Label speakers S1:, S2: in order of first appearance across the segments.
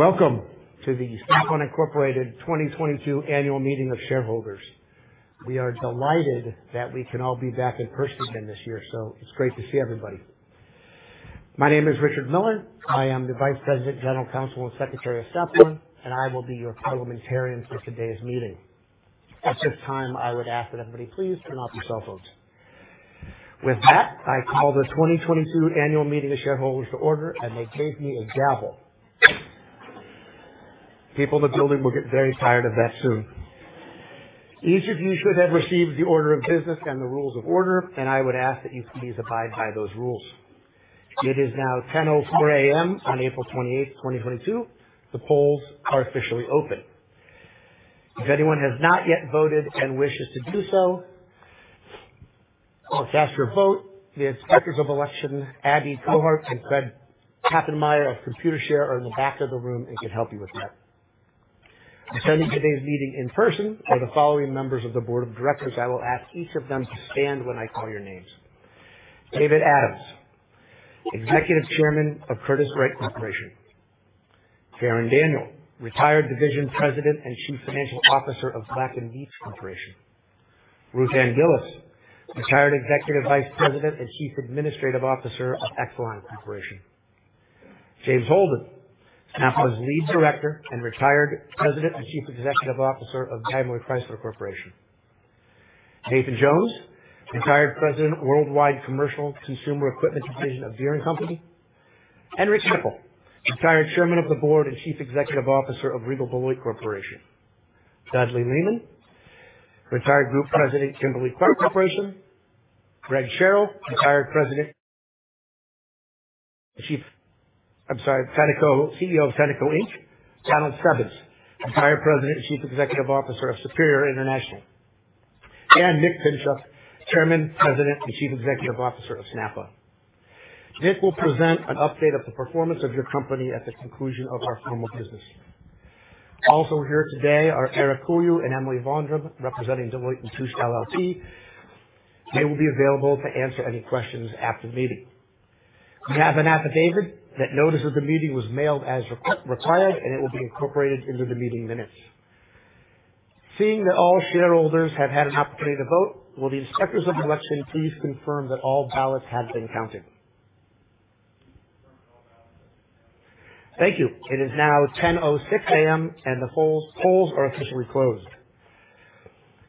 S1: Welcome to the Snap-on Incorporated 2022 Annual Meeting of Shareholders. We are delighted that we can all be back in person again this year, so it's great to see everybody. My name is Richard Miller. I am the Vice President, General Counsel, and Secretary of Snap-on, and I will be your parliamentarian for today's meeting. At this time, I would ask that everybody please turn off your cell phones. With that, I call the 2022 Annual Meeting of Shareholders to order, and they gave me a gavel. People in the building will get very tired of that soon. Each of you should have received the order of business and the rules of order, and I would ask that you please abide by those rules. It is now 10:04 A.M. on April 28, 2022. The polls are officially open. If anyone has not yet voted and wishes to do so, let's ask your vote. The Inspectors of Election, Abby Cowart and Fred Papenmeier of Computershare, are in the back of the room and can help you with that. Attending today's meeting in person are the following members of the Board of Directors. I will ask each of them to stand when I call your names. David Adams, Executive Chairman of Curtiss-Wright Corporation. Karen Daniel, Retired Division President and Chief Financial Officer of Black & Veatch Corporation. Ruth Ann Gillis, Retired Executive Vice President and Chief Administrative Officer of Exelon Corporation. James Holden, Snap-on's Lead Director and Retired President and Chief Executive Officer of Guy Moore Chrysler Corporation. Nathan Jones, Retired President, Worldwide Commercial Consumer Equipment Division of Deere & Company. Henry Knueppel, Retired Chairman of the Board and Chief Executive Officer of Regal Beloit Corporation. Dudley Lehman, Retired Group President, Kimberly-Clark Corporation. Gregg Sherrill, Retired President and CEO of Tenneco Inc. Donald Stebbins, Retired President and Chief Executive Officer of Superior Industries International. Nick Pinchuk, Chairman, President, and Chief Executive Officer of Snap-on. Nick will present an update of the performance of your company at the conclusion of our formal business. Also here today are Eric Kulju and Emily Von Durn representing Deloitte & Touche LLP. They will be available to answer any questions after the meeting. We have an affidavit that notices the meeting was mailed as required, and it will be incorporated into the meeting minutes. Seeing that all shareholders have had an opportunity to vote, will the Inspectors of Election please confirm that all ballots have been counted? Thank you. It is now 10:06 A.M., and the polls are officially closed.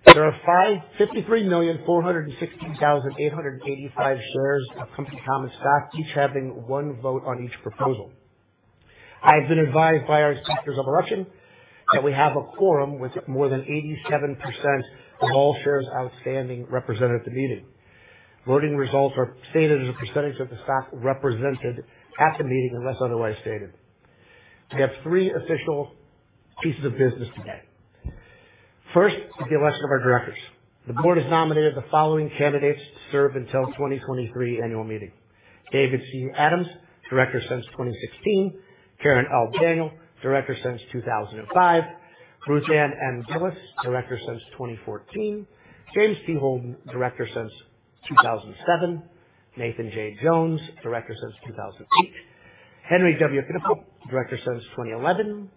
S1: There are 53,460,885 shares of Company Common Stock, each having one vote on each proposal. I have been advised by our Inspectors of Election that we have a quorum with more than 87% of all shares outstanding represented at the meeting. Voting results are stated as a percentage of the stock represented at the meeting unless otherwise stated. We have three official pieces of business today. First, the election of our directors. The board has nominated the following candidates to serve until the 2023 Annual Meeting: David C. Adams, Director since 2016; Karen L. Daniel, Director since 2005; Ruth Ann M. Gillis, Director since 2014; James P. Holden, Director since 2007; Nathan J. Jones, Director since 2008; Henrik W. Knueppel, Director since 2011;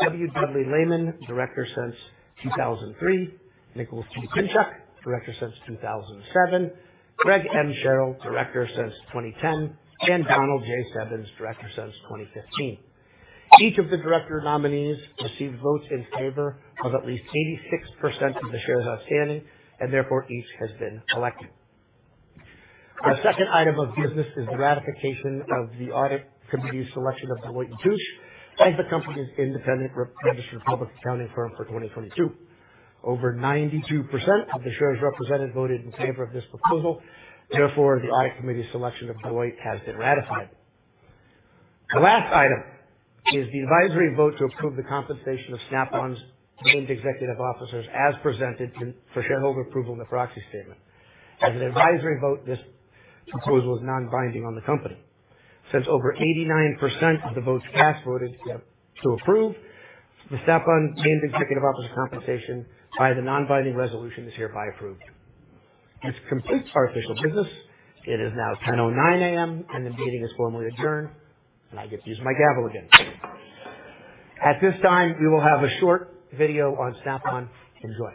S1: W. Dudley Lehman, Director since 2003; Nicholas T. Pinchuk, Director since 2007; Gregg M. Sherrill, Director since 2010; and Donald J. Stebbins, Director since 2015. Each of the director nominees received votes in favor of at least 86% of the shares outstanding, and therefore each has been elected. Our second item of business is the ratification of the Audit Committee's selection of Deloitte & Touche as the company's independent registered public accounting firm for 2022. Over 92% of the shares represented voted in favor of this proposal. Therefore, the Audit Committee's selection of Deloitte has been ratified. The last item is the advisory vote to approve the compensation of Snap-on's named executive officers as presented for shareholder approval in the proxy statement. As an advisory vote, this proposal is non-binding on the company. Since over 89% of the votes cast voted to approve, the Snap-on named executive officer compensation by the non-binding resolution is hereby approved. This completes our official business. It is now 10:09 A.M., and the meeting is formally adjourned, and I get to use my gavel again. At this time, we will have a short video on Snap-on. Enjoy.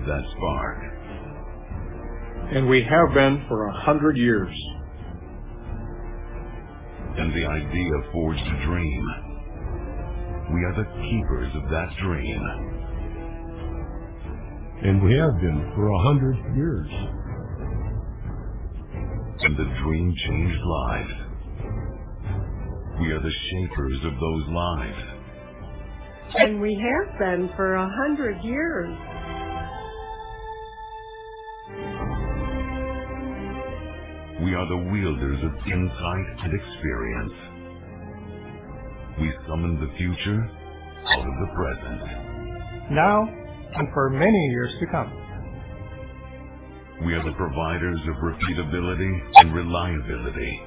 S2: Let me tell you of a people essential to the serious and unique to the world, standing firm against the threat, preserving all we know amid the gloom. We are Snap-on. We are those people, and we have been for 100 years. To put on it with a spark, and the spark was an idea. We are the stewards of that spark. We have been for 100 years. The idea forged a dream. We are the keepers of that dream. We have been for 100 years. The dream changed lives. We are the shapers of those lives. We have been for 100 years. We are the wielders of insight and experience. We summon the future out of the present. Now and for many years to come. We are the providers of repeatability and reliability.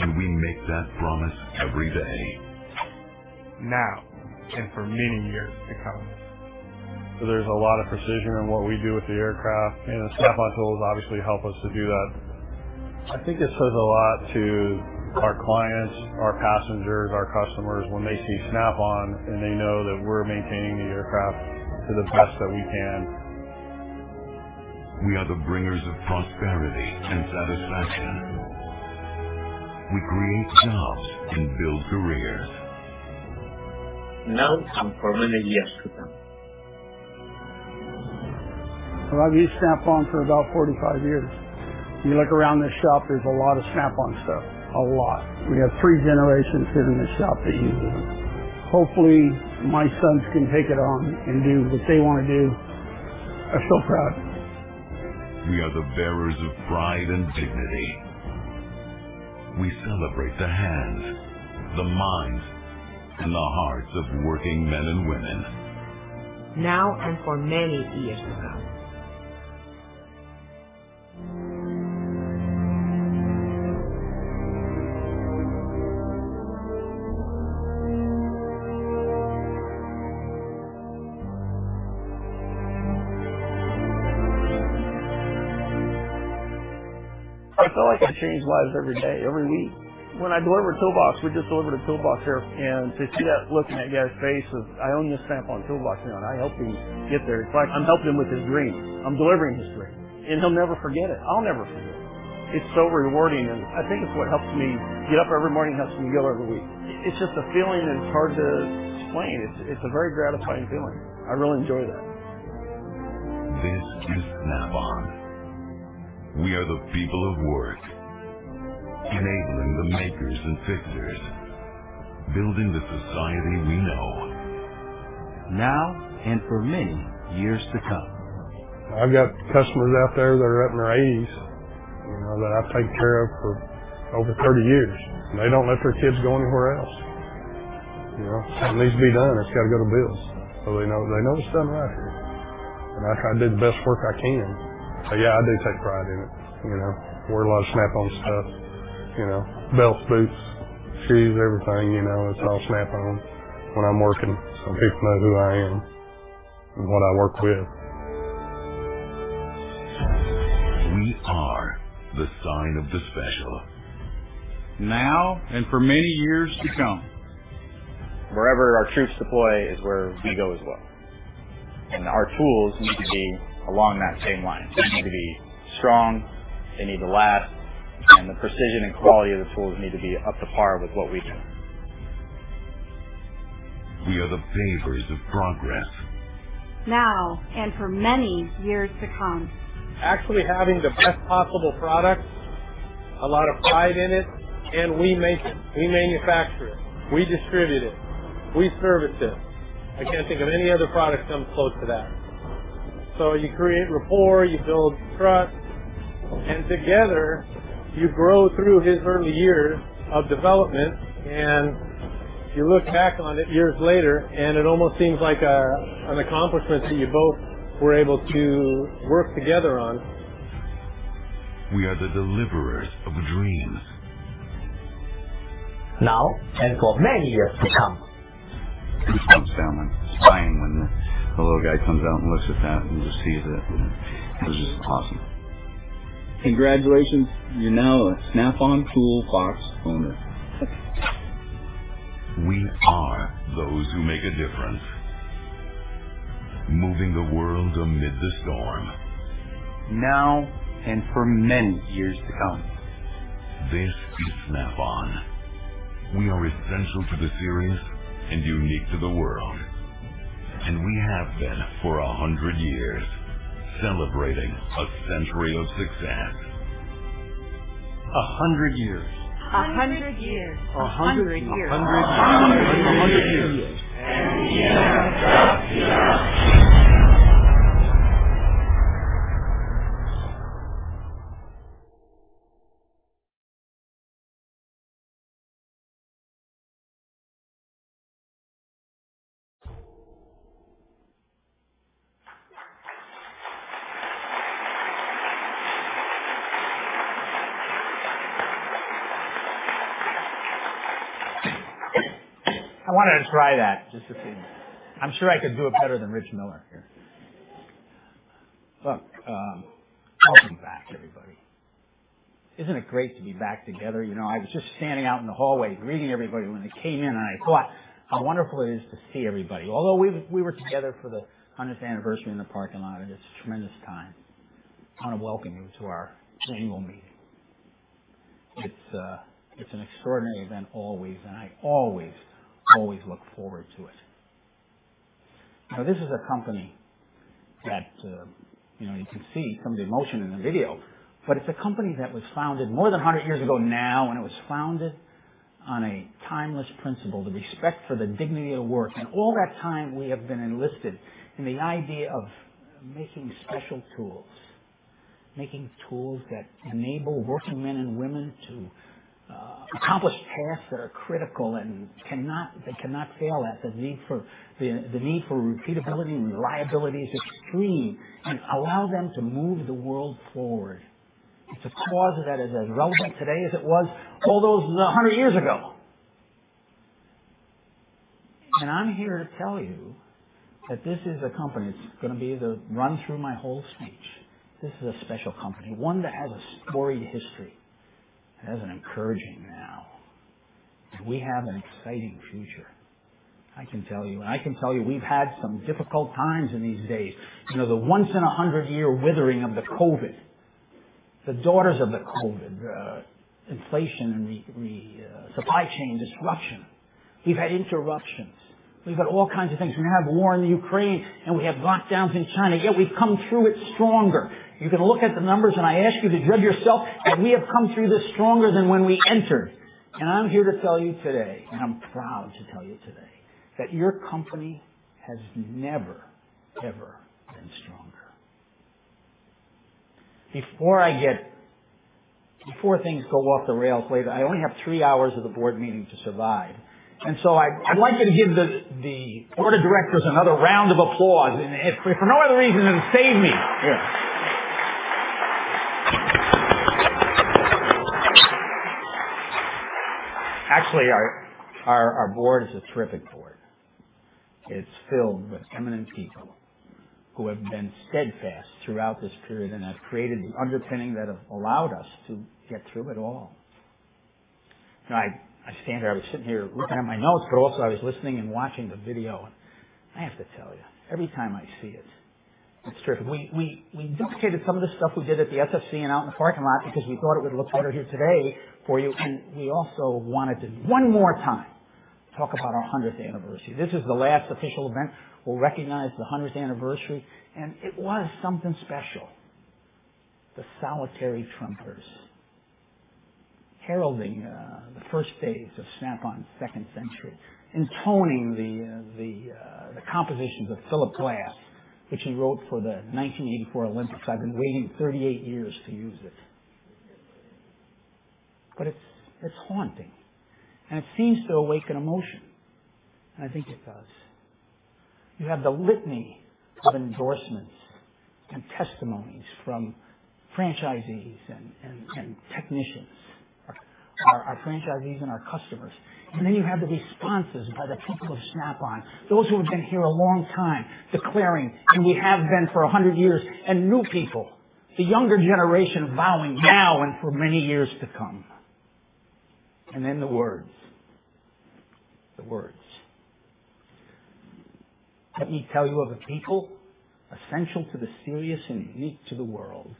S2: We make that promise every day. Now and for many years to come. There's a lot of precision in what we do with the aircraft, and the Snap-on tools obviously help us to do that. I think it says a lot to our clients, our passengers, our customers when they see Snap-on, and they know that we're maintaining the aircraft to the best that we can. We are the bringers of prosperity and satisfaction. We create jobs and build careers. Now. And permanently yes to them. I've used Snap-on for about 45 years. You look around this shop, there's a lot of Snap-on stuff. A lot. We have three generations here in this shop that use it. Hopefully, my sons can take it on and do what they want to do. I'm so proud. We are the bearers of pride and dignity. We celebrate the hands, the minds, and the hearts of working men and women. Now and for many years to come. I feel like I change lives every day, every week. When I deliver toolbox, we just delivered a toolbox here, and to see that look in that guy's face of, "I own this Snap-on toolbox now, and I helped him get there." It's like I'm helping him with his dream. I'm delivering his dream, and he'll never forget it. I'll never forget it. It's so rewarding, and I think it's what helps me get up every morning and helps me go every week. It's just a feeling that it's hard to explain. It's a very gratifying feeling. I really enjoy that. This is Snap-on. We are the people of work, enabling the makers and fixers, building the society we know. Now and for many years to come. I've got customers out there that are up in their 80s that I've taken care of for over 30 years. They don't let their kids go anywhere else. Something needs to be done. It's got to go to Bill's. They know it's done right here, and I try to do the best work I can. Yeah, I do take pride in it. Wear a lot of Snap-on stuff: belts, boots, shoes, everything. It's all Snap-on when I'm working. People know who I am and what I work with. We are the sign of the special. Now and for many years to come. Wherever our troops deploy is where we go as well. Our tools need to be along that same line. They need to be strong. They need to last. The precision and quality of the tools need to be up to par with what we do. We are the pavers of progress. Now and for many years to come. Actually having the best possible product, a lot of pride in it, and we make it. We manufacture it. We distribute it. We service it. I can't think of any other product that comes close to that. You create rapport. You build trust. Together, you grow through his early years of development. You look back on it years later, and it almost seems like an accomplishment that you both were able to work together on. We are the deliverers of dreams. Now and for many years to come. It was sounding and smiling when the little guy comes out and looks at that and just sees it. It was just awesome. Congratulations. You're now a Snap-on toolbox owner. We are those who make a difference, moving the world amid the storm. Now and for many years to come. This is Snap-on. We are essential to the serious and unique to the world, and we have been for 100 years, celebrating a century of success. 100 years. 100 years. 100 years. 100 years. 100 years. 100 years. Yeah.
S3: I wanted to try that just to see. I'm sure I could do it better than Rich Miller here. Look, welcome back, everybody. Isn't it great to be back together? I was just standing out in the hallway greeting everybody when they came in, and I thought how wonderful it is to see everybody. Although we were together for the 100th anniversary in the parking lot, it's a tremendous time. I want to welcome you to our annual meeting. It's an extraordinary event always, and I always, always look forward to it. Now, this is a company that you can see some of the emotion in the video, but it's a company that was founded more than 100 years ago now, and it was founded on a timeless principle: the respect for the dignity of work. All that time, we have been enlisted in the idea of making special tools, making tools that enable working men and women to accomplish tasks that are critical and cannot fail at. The need for repeatability and reliability is extreme and allows them to move the world forward. It's a cause that is as relevant today as it was all those 100 years ago. I'm here to tell you that this is a company that's going to be the run-through my whole speech. This is a special company, one that has a storied history. It has an encouraging now, and we have an exciting future. I can tell you, and I can tell you we've had some difficult times in these days. The once-in-a-100-year withering of the COVID, the daughters of the COVID, inflation, and supply chain disruption. We've had interruptions. We've had all kinds of things. We have had war in Ukraine, and we have lockdowns in China. Yet we've come through it stronger. You can look at the numbers, and I ask you to judge yourself, and we have come through this stronger than when we entered. I'm here to tell you today, and I'm proud to tell you today, that your company has never, ever been stronger. Before I get before things go off the rails later, I only have three hours of the board meeting to survive. I'd like you to give the board of directors another round of applause for no other reason than to save me. Actually, our board is a terrific board. It's filled with eminent people who have been steadfast throughout this period and have created the underpinning that have allowed us to get through it all. I stand here. I was sitting here looking at my notes, but also I was listening and watching the video. I have to tell you, every time I see it, it's terrific. We duplicated some of the stuff we did at the SFC and out in the parking lot because we thought it would look better here today for you. We also wanted to, one more time, talk about our 100th anniversary. This is the last official event. We'll recognize the 100th anniversary, and it was something special. The solitary trumpers heralding the first days of Snap-on's second century and toning the compositions of Philip Glass, which he wrote for the 1984 Olympics. I've been waiting 38 years to use it. It's haunting, and it seems to awaken emotion. I think it does. You have the litany of endorsements and testimonies from franchisees and technicians, our franchisees and our customers. You have the responses by the people of Snap-on, those who have been here a long time declaring, "And we have been for 100 years," and new people, the younger generation vowing now and for many years to come. The words, the words. Let me tell you of a people essential to the serious and unique to the world,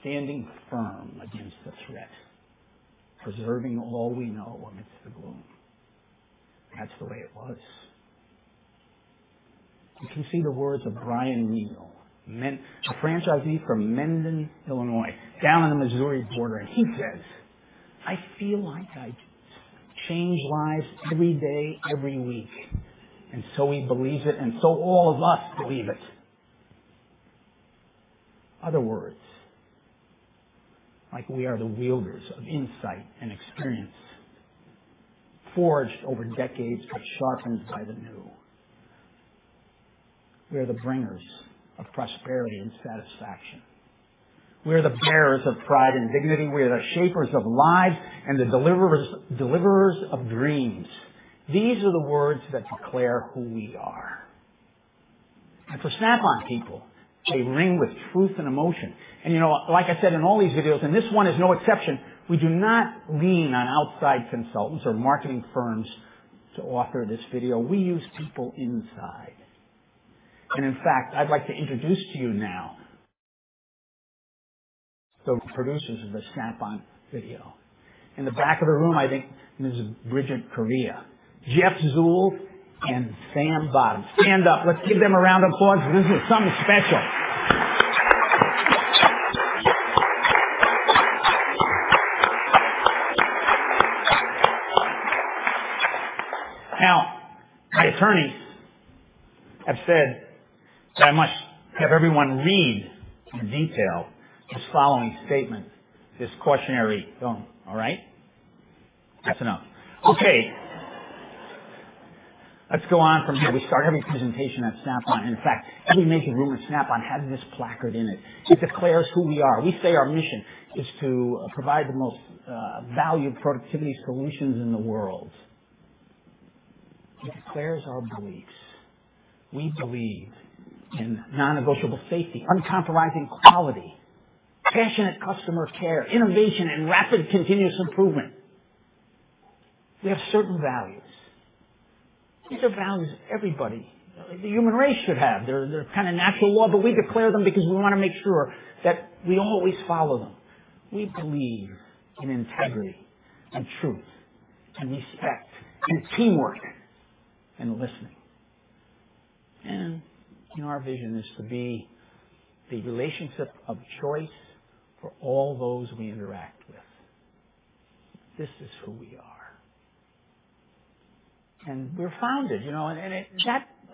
S3: standing firm against the threat, preserving all we know amidst the gloom. That is the way it was. You can see the words of Brian Neil, a franchisee from Mendon, Illinois, down on the Missouri border. He says, "I feel like I change lives every day, every week." He believes it, and all of us believe it. Other words, like we are the wielders of insight and experience forged over decades but sharpened by the new. We are the bringers of prosperity and satisfaction. We are the bearers of pride and dignity. We are the shapers of lives and the deliverers of dreams. These are the words that declare who we are. For Snap-on people, they ring with truth and emotion. Like I said in all these videos, and this one is no exception, we do not lean on outside consultants or marketing firms to author this video. We use people inside. In fact, I'd like to introduce to you now the producers of the Snap-on video. In the back of the room, I think Ms. Bridget Correa, Jeff Zuehls, and Sam Bottum. Stand up. Let's give them a round of applause because this is something special. Now, my attorneys have said that I must have everyone read in detail this following statement, this questionnaire-y thing, all right? That's enough. Okay. Let's go on from here. We start every presentation at Snap-on. In fact, every major room at Snap-on has this placard in it. It declares who we are. We say our mission is to provide the most valued productivity solutions in the world. It declares our beliefs. We believe in non-negotiable safety, uncompromising quality, passionate customer care, innovation, and rapid continuous improvement. We have certain values. These are values everybody, the human race, should have. They're kind of natural law, but we declare them because we want to make sure that we always follow them. We believe in integrity and truth and respect and teamwork and listening. Our vision is to be the relationship of choice for all those we interact with. This is who we are.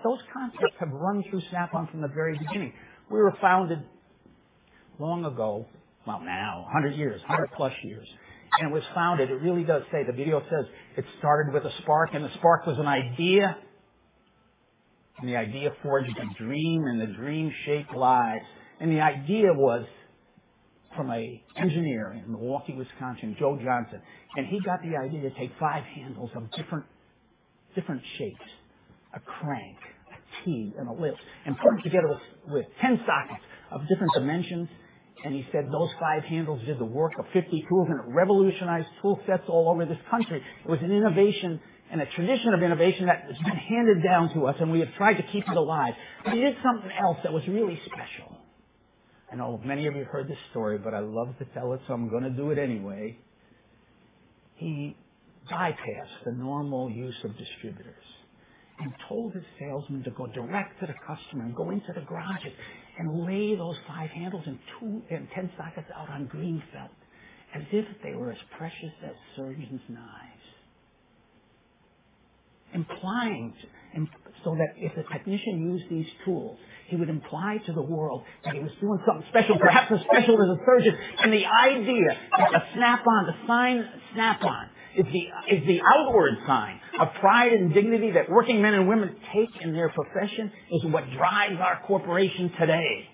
S3: Those concepts have run through Snap-on from the very beginning. We were founded long ago, now, 100 years, 100-plus years. It was founded. It really does say. The video says, "It started with a spark, and the spark was an idea. And the idea forged a dream, and the dream shaped lives." The idea was from an engineer in Milwaukee, Wisconsin, Joe Johnson. He got the idea to take five handles of different shapes: a crank, a key, and a lift, and put them together with 10 sockets of different dimensions. He said those five handles did the work of 50 tools and revolutionized tool sets all over this country. It was an innovation and a tradition of innovation that has been handed down to us, and we have tried to keep it alive. He did something else that was really special. I know many of you have heard this story, but I love to tell it, so I'm going to do it anyway. He bypassed the normal use of distributors and told his salesmen to go direct to the customer and go into the garage and lay those five handles and 10 sockets out on green felt as if they were as precious as surgeon's knives, implying so that if the technician used these tools, he would imply to the world that he was doing something special, perhaps as special as a surgeon. The idea that the Snap-on, the sign Snap-on, is the outward sign of pride and dignity that working men and women take in their profession is what drives our corporation today.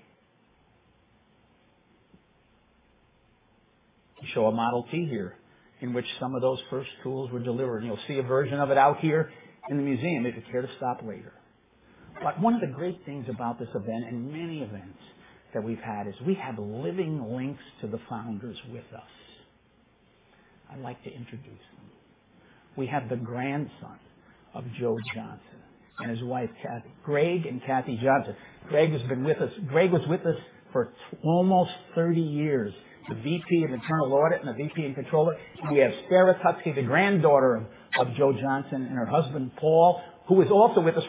S3: I'll show a Model T here in which some of those first tools were delivered. You'll see a version of it out here in the museum if you care to stop later. One of the great things about this event and many events that we've had is we have living links to the founders with us. I'd like to introduce them. We have the grandson of Joe Johnson and his wife, Greg and Kathy Johnson. Greg has been with us. Greg was with us for almost 30 years, the VP of internal audit and the VP and controller. We have Sarah Tutsky, the granddaughter of Joe Johnson, and her husband, Paul, who was also with us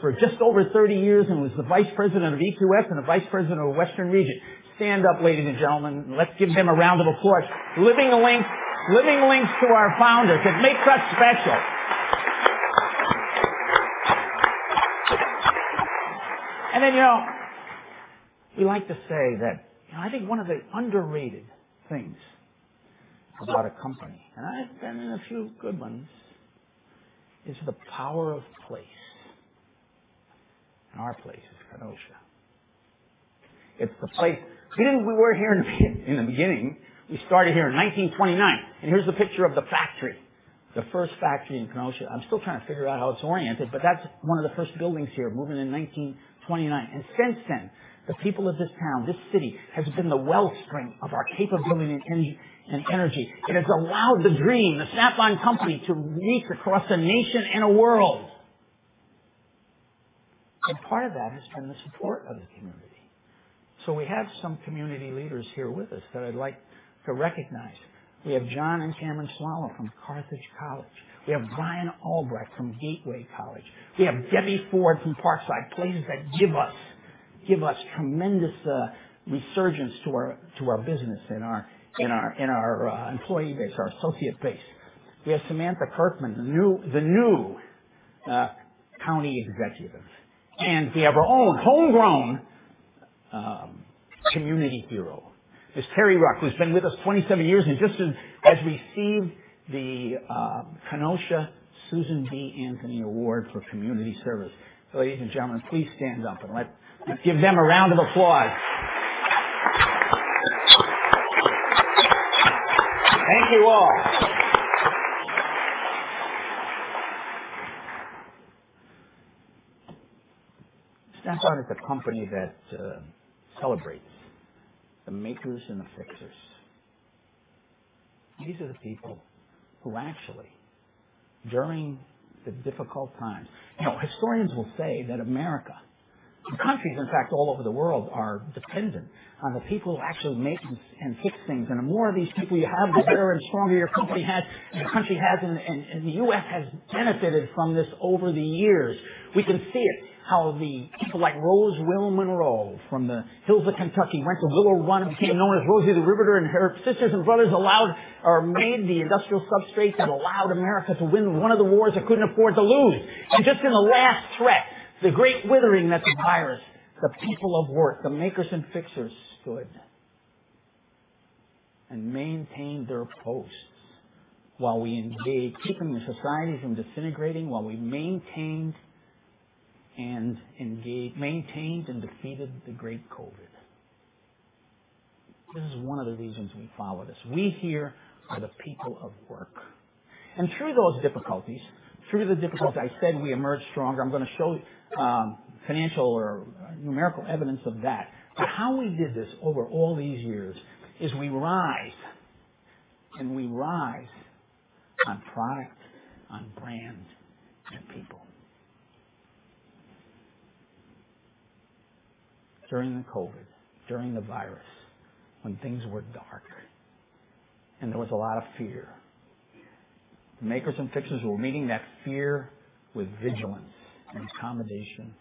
S3: for just over 30 years and was the vice president of EQS and the vice president of Western Region. Stand up, ladies and gentlemen, and let's give them a round of applause. Living links, living links to our founders. It makes us special. We like to say that I think one of the underrated things about a company, and I've been in a few good ones, is the power of place. Our place is Kenosha. It's the place we were here in the beginning. We started here in 1929. Here's the picture of the factory, the first factory in Kenosha. I'm still trying to figure out how it's oriented, but that's one of the first buildings here, moving in 1929. Since then, the people of this town, this city, has been the wellspring of our capability and energy. It has allowed the dream, the Snap-on company, to reach across a nation and a world. Part of that has been the support of the community. We have some community leaders here with us that I'd like to recognize. We have John and Cameron Swallow from Carthage College. We have Bryan Albrecht from Gateway College. We have Debbie Ford from Parkside, places that give us tremendous resurgence to our business and our employee base, our associate base. We have Samantha Kirkman, the new county executive. We have our own homegrown community hero, Ms. Terri Wruck, who's been with us 27 years and just has received the Kenosha Susan B. Anthony Award for community service. Ladies and gentlemen, please stand up and let's give them a round of applause. Thank you all. Snap-on is a company that celebrates the makers and the fixers. These are the people who actually, during the difficult times, historians will say that America and countries, in fact, all over the world are dependent on the people who actually make and fix things. The more of these people you have, the better and stronger your company has, the country has. The U.S. has benefited from this over the years. We can see it, how people like Rose Will Monroe from the hills of Kentucky went to Willow Run and became known as Rosie the Riveter. Her sisters and brothers made the industrial substrate that allowed America to win one of the wars it could not afford to lose. Just in the last threat, the great withering that is a virus, the people of work, the makers and fixers stood and maintained their posts, keeping the societies from disintegrating, while we maintained and defeated the great COVID. This is one of the reasons we follow this. We here are the people of work. Through those difficulties, through the difficulties, I said we emerged stronger. I am going to show financial or numerical evidence of that. How we did this over all these years is we rise, and we rise on product, on brand, and people. During the COVID, during the virus, when things were dark and there was a lot of fear, the makers and fixers were meeting that fear with vigilance and accommodation.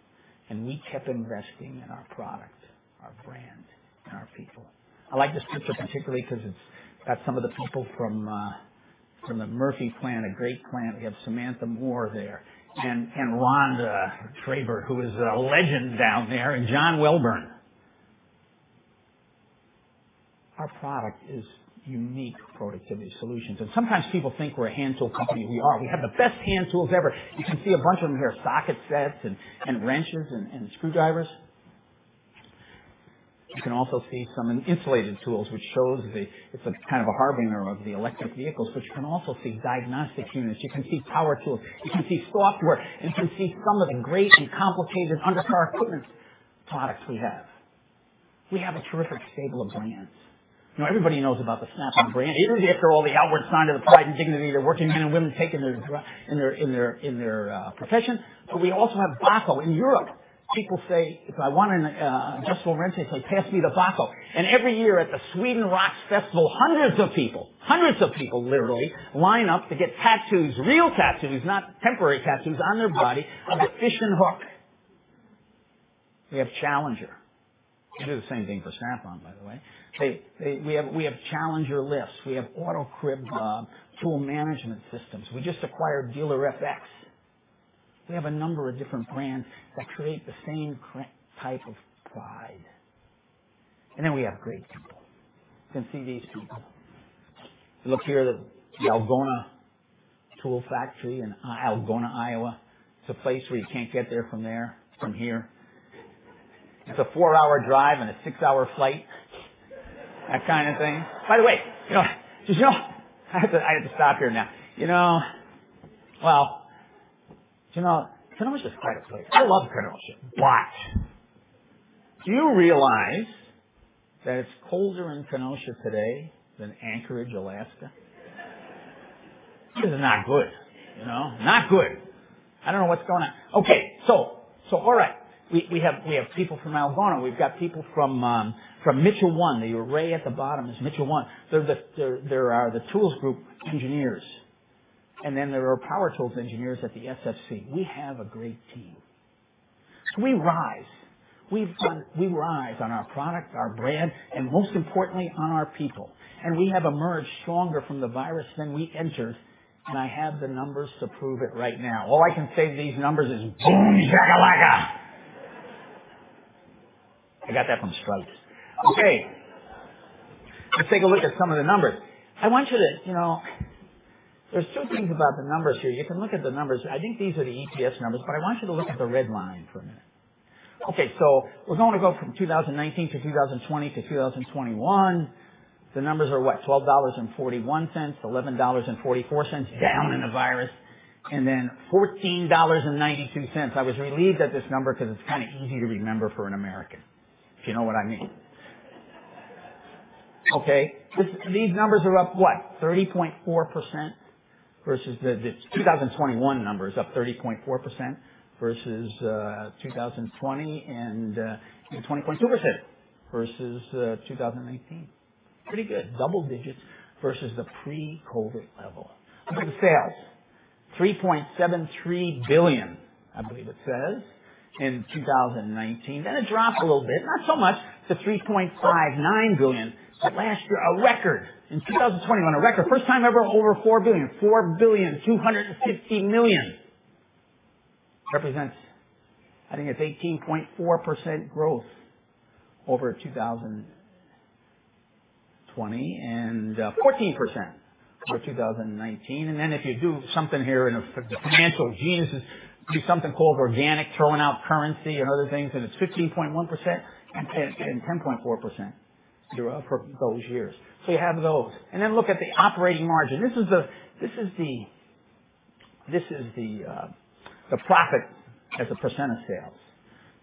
S3: We kept investing in our product, our brand, and our people. I like this picture particularly because it has some of the people from the Murphy plant, a great plant. We have Samantha Moore there and Rhonda Traver, who is a legend down there, and John Welborn. Our product is unique productivity solutions. Sometimes people think we are a hand tool company. We are. We have the best hand tools ever. You can see a bunch of them here, socket sets and wrenches and screwdrivers. You can also see some insulated tools, which shows it's a kind of a harbinger of the electric vehicles, but you can also see diagnostic units. You can see power tools. You can see software. You can see some of the great and complicated undercar equipment products we have. We have a terrific stable of brands. Everybody knows about the Snap-on brand, even after all the outward sign of the pride and dignity that working men and women take in their profession. We also have Bahco in Europe. People say, "If I want an adjustable wrench, they say, 'Pass me the Bahco.'" Every year at the Sweden Rocks Festival, hundreds of people, hundreds of people literally line up to get tattoos, real tattoos, not temporary tattoos on their body of a fish and hook. We have Challenger. We do the same thing for Snap-on, by the way. We have Challenger lifts. We have AutoCrib tool management systems. We just acquired Dealer-FX. We have a number of different brands that create the same type of pride. And then we have great people. You can see these people. Look here, the Algona Tool Factory in Algona, Iowa. It's a place where you can't get there from here. It's a four-hour drive and a six-hour flight, that kind of thing. By the way, did you know I had to stop here now? Kenosha, it's quite a place. I love Kenosha, but do you realize that it's colder in Kenosha today than Anchorage, Alaska? This is not good. Not good. I don't know what's going on. Okay. All right. We have people from Algona. We've got people from Mitchell 1. The array at the bottom is Mitchell 1. There are the Tools Group engineers, and then there are power tools engineers at the SFC. We have a great team. We rise. We rise on our product, our brand, and most importantly, on our people. We have emerged stronger from the virus than we entered. I have the numbers to prove it right now. All I can say to these numbers is, "Boom, Jack-a-lacka!" I got that from Stripes. Okay. Let's take a look at some of the numbers. I want you to there's two things about the numbers here. You can look at the numbers. I think these are the EPS numbers, but I want you to look at the red line for a minute. Okay. We are going to go from 2019 to 2020 to 2021. The numbers are what? $12.41, $11.44 down in the virus, and then $14.92. I was relieved at this number because it's kind of easy to remember for an American, if you know what I mean. Okay. These numbers are up what? 30.4% versus the 2021 numbers, up 30.4% versus 2020, and 20.2% versus 2019. Pretty good. Double digits versus the pre-COVID level. Look at the sales. $3.73 billion, I believe it says, in 2019. Then it dropped a little bit, not so much, to $3.59 billion, but last year, a record. In 2021, a record. First time ever over $4 billion. $4 billion, $250 million represents, I think, it's 18.4% growth over 2020 and 14% over 2019. If you do something here, and the financial geniuses do something called organic, throwing out currency and other things, and it's 15.1% and 10.4% for those years. You have those. Look at the operating margin. This is the profit as a percent of sales.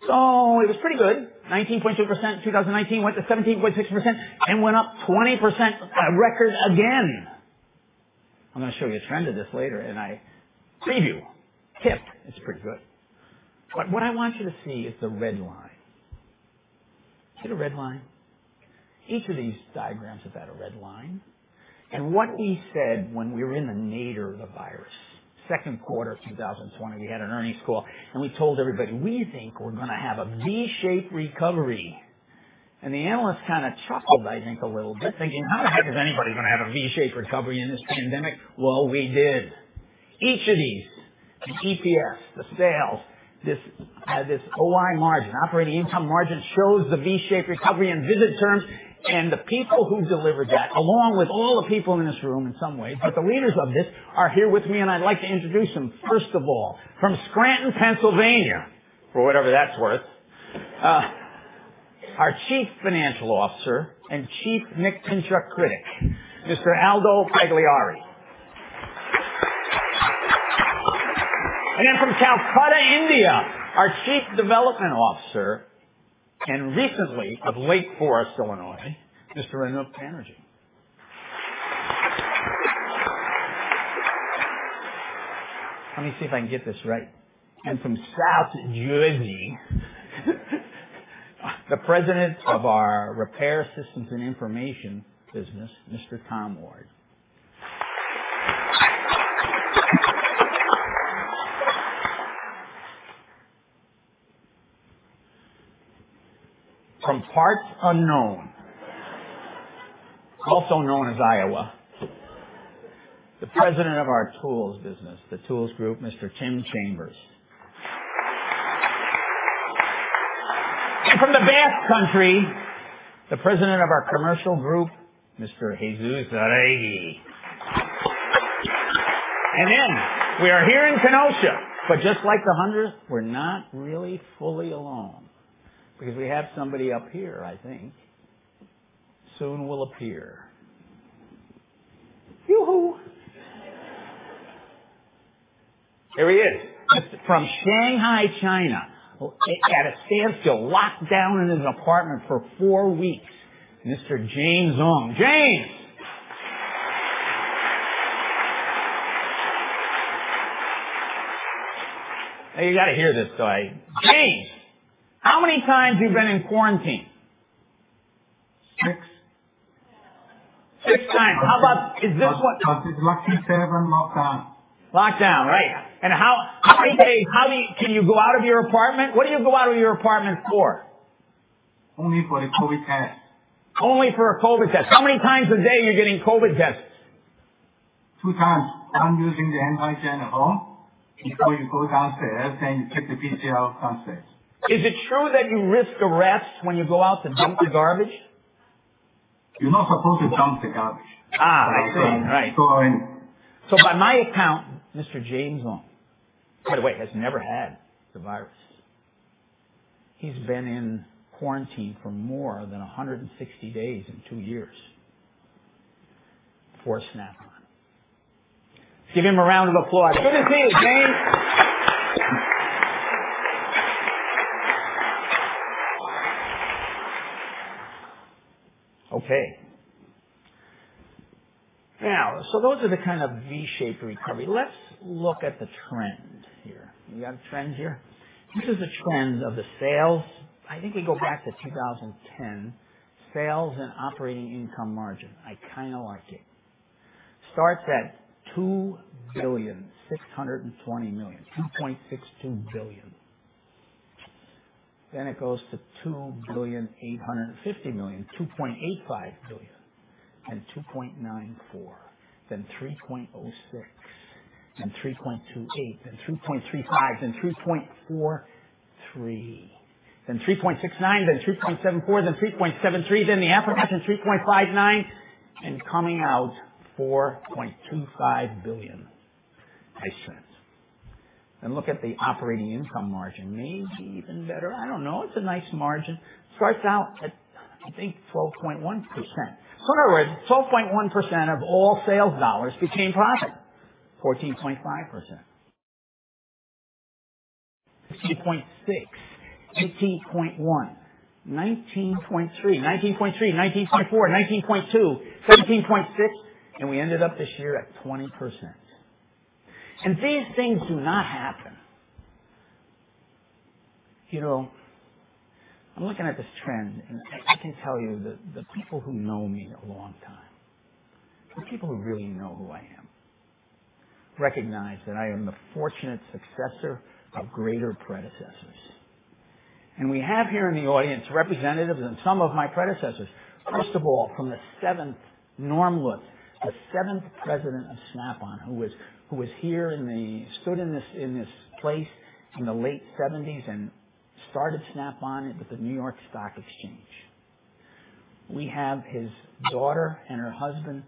S3: So it was pretty good. 19.2% in 2019 went to 17.6% and went up 20%, a record again. I'm going to show you a trend of this later, and I preview tip. It's pretty good. But what I want you to see is the red line. See the red line? Each of these diagrams has had a red line. And what we said when we were in the nadir of the virus, second quarter of 2020, we had an earnings call, and we told everybody, "We think we're going to have a V-shaped recovery." And the analysts kind of chuckled, I think, a little bit, thinking, "How the heck is anybody going to have a V-shaped recovery in this pandemic?" Well, we did. Each of these, the EPS, the sales, this OI margin, operating income margin shows the V-shaped recovery in visit terms. The people who delivered that, along with all the people in this room in some ways, but the leaders of this are here with me, and I'd like to introduce them. First of all, from Scranton, Pennsylvania, for whatever that's worth, our Chief Financial Officer and chief Nick Pinchuk critic, Mr. Aldo Pagliari. From Calcutta, India, our Chief Development Officer and recently of Lake Forest, Illinois, Mr. Anup Banerjee. Let me see if I can get this right. From South Jersey, the President of our Repair Systems & Information Group, Mr. Tom Ward. From parts unknown, also known as Iowa, the President of our Tools Group, Mr. Tim Chambers. From the Basque Country, the President of our Commercial Group, Mr. Jesus Arregui. We are here in Kenosha, but just like the hunters, we're not really fully alone because we have somebody up here, I think, soon will appear. Yoo-hoo. Here he is. From Shanghai, China, at a standstill, locked down in his apartment for four weeks, Mr. James Ong. James. Now you got to hear this. James, how many times you've been in quarantine?
S4: Six. Six times.
S3: How about is this what?
S4: Lucky seven lockdown.
S3: Lockdown, right. And how many days can you go out of your apartment? What do you go out of your apartment for?
S4: Only for the COVID test.
S3: Only for a COVID test. How many times a day are you getting COVID tests?
S4: Two times. One using the hand hygiene at home. Before you go downstairs, then you take the PCR downstairs.
S3: Is it true that you risk arrest when you go out to dump the garbage?
S4: You are not supposed to dump the garbage.
S3: I see. Right. By my account, Mr. James Ong, by the way, has never had the virus. He has been in quarantine for more than 160 days in two years for Snap-on. Give him a round of applause. Good to see you, James. Okay. Those are the kind of V-shaped recovery. Let us look at the trend here. You got a trend here? This is the trend of the sales. I think we go back to 2010. Sales and operating income margin. I kind of like it. Starts at $2,620,000,000, $2.62 billion. It goes to $2 billion, $850 million, $2.85 billion, then $2.94 billion, then $3.06 billion, then $3.28 billion, then $3.35 billion, then $3.43 billion, then $3.69 billion, then $3.74 billion, then $3.73 billion, then the average is $3.59 billion, and coming out $4.25 billion. Nice trend. Look at the operating income margin. Maybe even better. I do not know. It is a nice margin. Starts out at, I think, 12.1%. In other words, 12.1% of all sales dollars became profit. 14.5%. 15.6%, 18.1%, 19.3%, 19.3%, 19.4%, 19.2%, 17.6%, and we ended up this year at 20%. These things do not happen. I am looking at this trend, and I can tell you the people who know me a long time, the people who really know who I am, recognize that I am the fortunate successor of greater predecessors. We have here in the audience representatives and some of my predecessors. First of all, from the seventh Norm Lutz, the seventh president of Snap-on, who was here and stood in this place in the late 1970s and started Snap-on with the New York Stock Exchange. We have his daughter and her husband,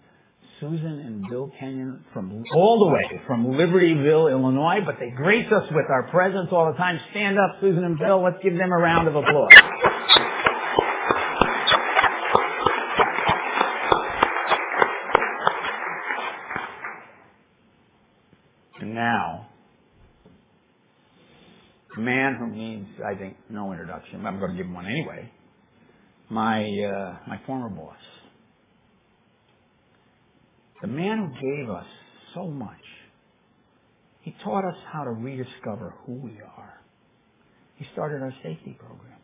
S3: Susan and Bill Kenyon from all the way from Libertyville, Illinois, but they grace us with our presence all the time. Stand up, Susan and Bill. Let's give them a round of applause. Now, the man who needs, I think, no introduction. I'm going to give him one anyway. My former boss. The man who gave us so much. He taught us how to rediscover who we are. He started our safety program.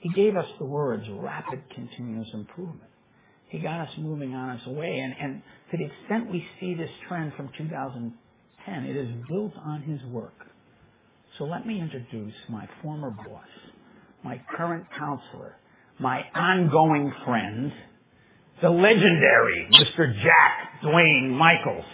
S3: He gave us the words rapid continuous improvement. He got us moving on his way. To the extent we see this trend from 2010, it is built on his work. Let me introduce my former boss, my current counselor, my ongoing friend, the legendary Mr. Jack Duane Michaels.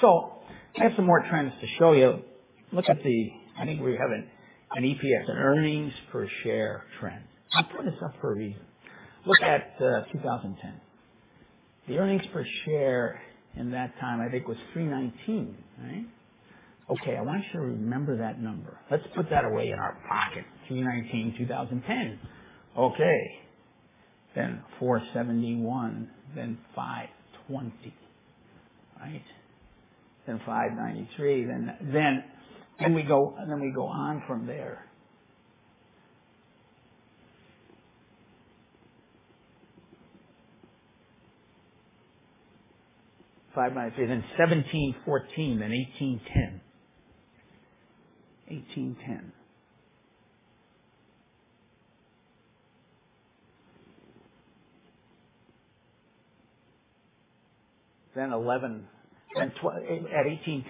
S3: I have some more trends to show you. Look at the, I think we have an EPS, an earnings per share trend. I'll put this up for a reason. Look at 2010. The earnings per share in that time, I think, was $3.19, right? Okay. I want you to remember that number. Let's put that away in our pocket. $3.19, 2010. Okay. Then $4.71, then $5.20, right? Then $5.93, then we go on from there. $5.93, then $17.14, then $18.10. $18.10. Then $11. At $18.10.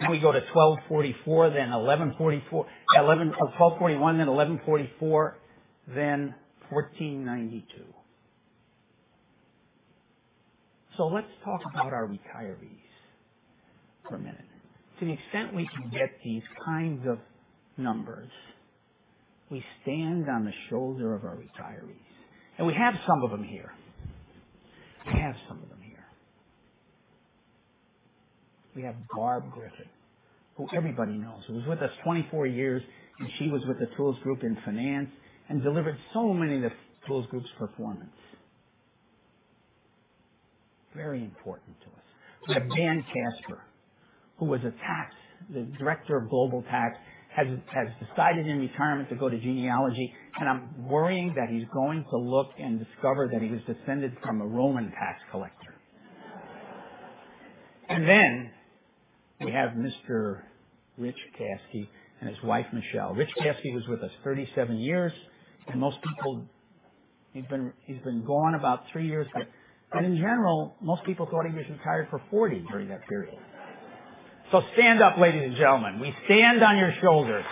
S3: Then we go to $12.44, then $11.44, $12.41, then $11.44, then $14.92. Let's talk about our retirees for a minute. To the extent we can get these kinds of numbers, we stand on the shoulder of our retirees. We have some of them here. We have Barb Griffin, who everybody knows. She was with us 24 years, and she was with the Tools Group in finance and delivered so many of the Tools Group's performance. Very important to us. We have Dan Casper, who was the Director of Global Tax, has decided in retirement to go to genealogy, and I'm worrying that he's going to look and discover that he was descended from a Roman tax collector. We have Mr. Rich Caspi and his wife, Michelle. Rich Caspi was with us 37 years, and most people, he's been gone about three years, but in general, most people thought he was retired for 40 during that period. Stand up, ladies and gentlemen. We stand on your shoulders.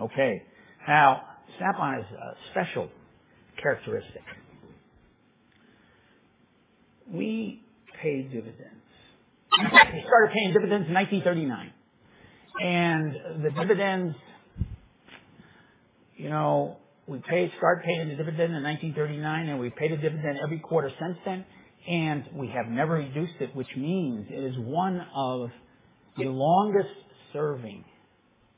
S3: Okay. Now, Snap-on is a special characteristic. We paid dividends. We started paying dividends in 1939. The dividends, we started paying a dividend in 1939, and we've paid a dividend every quarter since then, and we have never reduced it, which means it is one of the longest serving,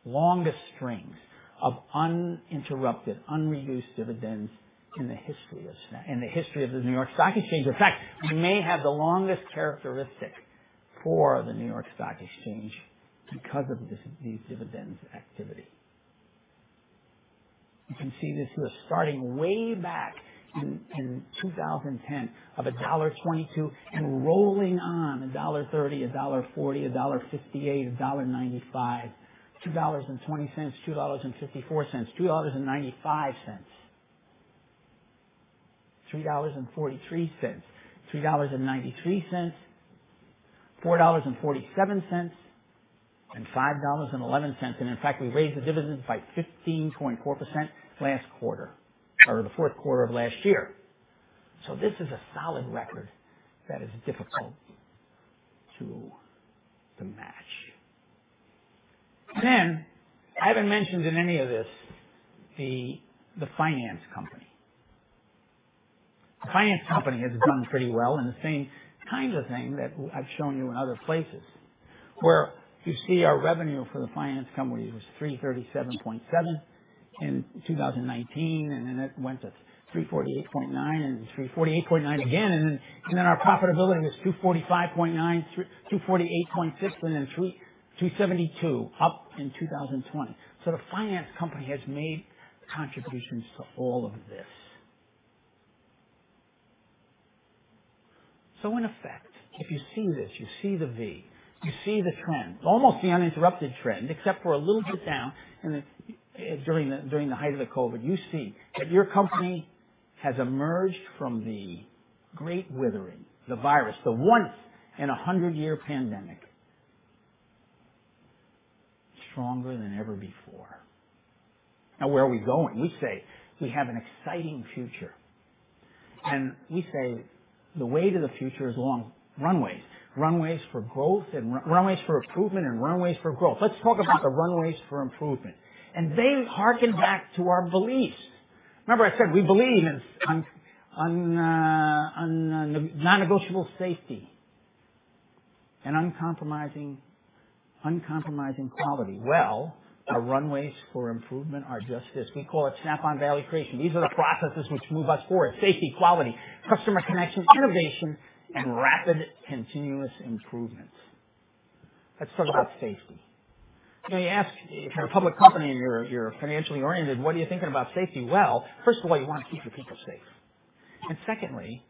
S3: longest strings of uninterrupted, unreduced dividends in the history of the New York Stock Exchange. In fact, we may have the longest characteristic for the New York Stock Exchange because of these dividends activity. You can see this here. Starting way back in 2010 of $1.32 and rolling on $1.30, $1.40, $1.58, $1.95, $2.20, $2.54, $2.95, $3.43, $3.93, $4.47, and $5.11. In fact, we raised the dividends by 15.4% last quarter or the fourth quarter of last year. This is a solid record that is difficult to match. I haven't mentioned in any of this the finance company. The finance company has done pretty well in the same kind of thing that I've shown you in other places, where you see our revenue for the finance company was $337.7 million in 2019, and then it went to $348.9 million and $348.9 million again, and then our profitability was $245.9 million, $248.6 million, and then $272 million up in 2020. So the finance company has made contributions to all of this. In effect, if you see this, you see the V, you see the trend, almost the uninterrupted trend, except for a little bit down during the height of the COVID. You see that your company has emerged from the great withering, the virus, the once in a hundred-year pandemic, stronger than ever before. Now, where are we going? We say we have an exciting future. We say the way to the future is long runways. Runways for growth and runways for improvement and runways for growth. Let's talk about the runways for improvement. They hearken back to our beliefs. Remember I said we believe in non-negotiable safety and uncompromising quality. Our runways for improvement are just this. We call it Snap-on Value Creation. These are the processes which move us forward: safety, quality, customer connection, innovation, and rapid continuous improvement. Let's talk about safety. You ask if you're a public company and you're financially oriented, what are you thinking about safety? First of all, you want to keep your people safe. Secondly,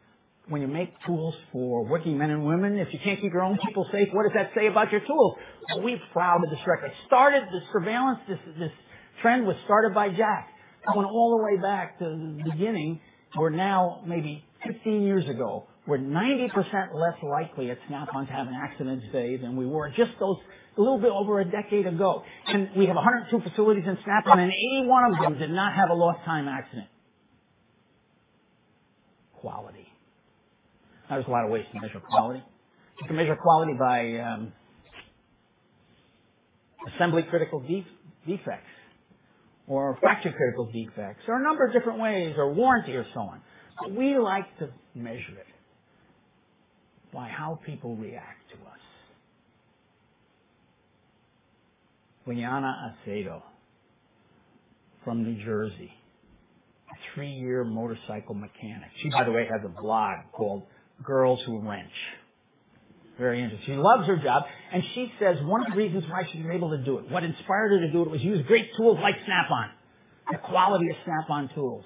S3: when you make tools for working men and women, if you can't keep your own people safe, what does that say about your tools? We're proud of this record. The surveillance trend was started by Jack. Going all the way back to the beginning, or now maybe 15 years ago, we're 90% less likely at Snap-on to have an accident today than we were just a little bit over a decade ago. We have 102 facilities in Snap-on, and 81 of them did not have a lost-time accident. Quality. There's a lot of ways to measure quality. You can measure quality by assembly critical defects or factory critical defects or a number of different ways or warranty or so on. We like to measure it by how people react to us. Liana Acevedo from New Jersey, a three-year motorcycle mechanic. She, by the way, has a blog called Girls Who Wrench. Very interesting. She loves her job. She says one of the reasons why she's able to do it, what inspired her to do it was use great tools like Snap-on. The quality of Snap-on tools.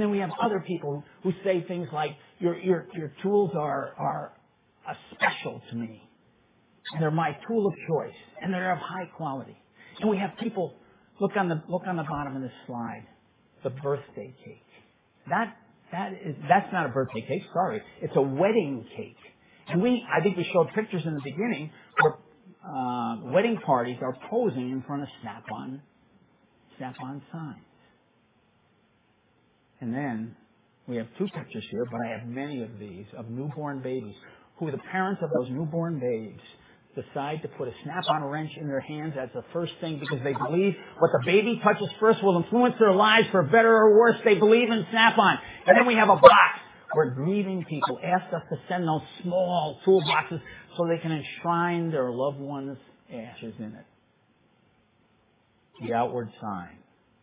S3: We have other people who say things like, "Your tools are special to me. They're my tool of choice, and they're of high quality." We have people look on the bottom of this slide, the birthday cake. That's not a birthday cake. Sorry. It's a wedding cake. I think we showed pictures in the beginning where wedding parties are posing in front of Snap-on signs. We have two pictures here, but I have many of these of newborn babies who the parents of those newborn babes decide to put a Snap-on wrench in their hands as the first thing because they believe what the baby touches first will influence their lives for better or worse. They believe in Snap-on. We have a box where grieving people ask us to send those small toolboxes so they can enshrine their loved one's ashes in it. The outward sign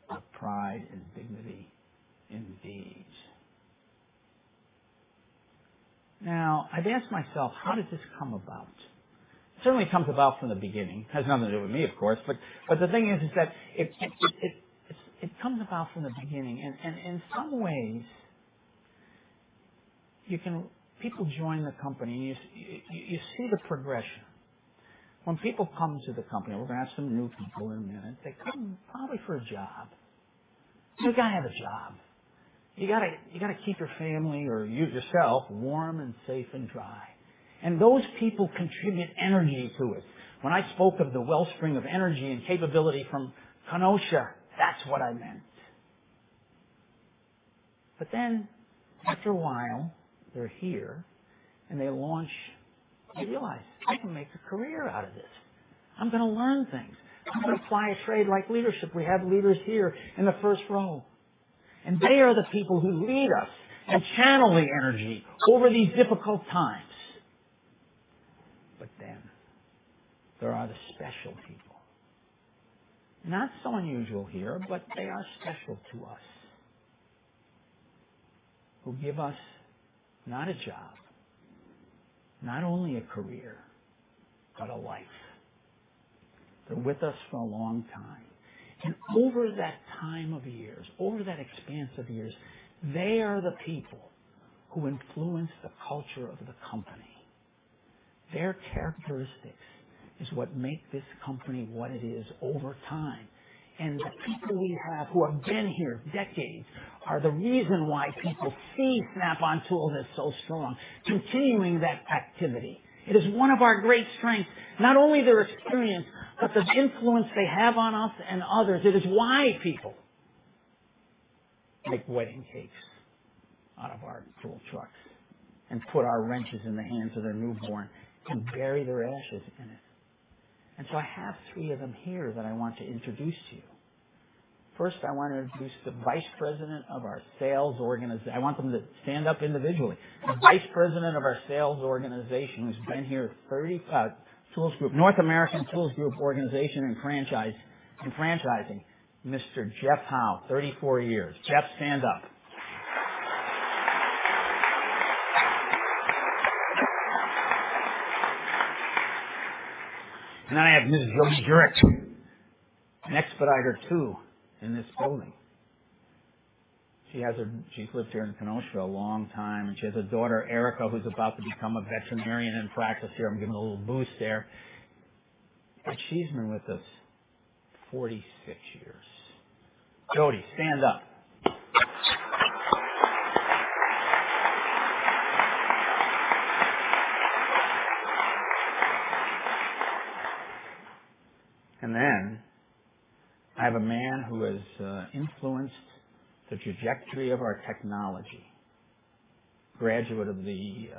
S3: of pride and dignity in beads. I have asked myself, how did this come about? It certainly comes about from the beginning. It has nothing to do with me, of course. The thing is that it comes about from the beginning. In some ways, people join the company, and you see the progression. When people come to the company, we are going to have some new people in a minute. They come probably for a job. You have to have a job. You have to keep your family or yourself warm and safe and dry. Those people contribute energy to it. When I spoke of the wellspring of energy and capability from Kenosha, that is what I meant. But then after a while, they're here, and they launch. They realize, "I can make a career out of this. I'm going to learn things. I'm going to apply a trade like leadership." We have leaders here in the first row. They are the people who lead us and channel the energy over these difficult times. Then there are the special people. Not so unusual here, but they are special to us who give us not a job, not only a career, but a life. They're with us for a long time. Over that time of years, over that expanse of years, they are the people who influence the culture of the company. Their characteristics is what make this company what it is over time. The people we have who have been here decades are the reason why people see Snap-on tools as so strong, continuing that activity. It is one of our great strengths, not only their experience, but the influence they have on us and others. It is why people make wedding cakes out of our tool trucks and put our wrenches in the hands of their newborn and bury their ashes in it. I have three of them here that I want to introduce to you. First, I want to introduce the Vice President of our sales organization. I want them to stand up individually. The Vice President of our sales organization who has been here 35, North American Tools Group Organization and Franchising, Mr. Jeff Howe, 34 years. Jeff, stand up. I have Ms. Jodi Guric, an expediter too in this building. She's lived here in Kenosha a long time, and she has a daughter, Erica, who's about to become a veterinarian in practice here. I'm giving her a little boost there. She's been with us 46 years. Jodi, stand up. I have a man who has influenced the trajectory of our technology, a graduate of the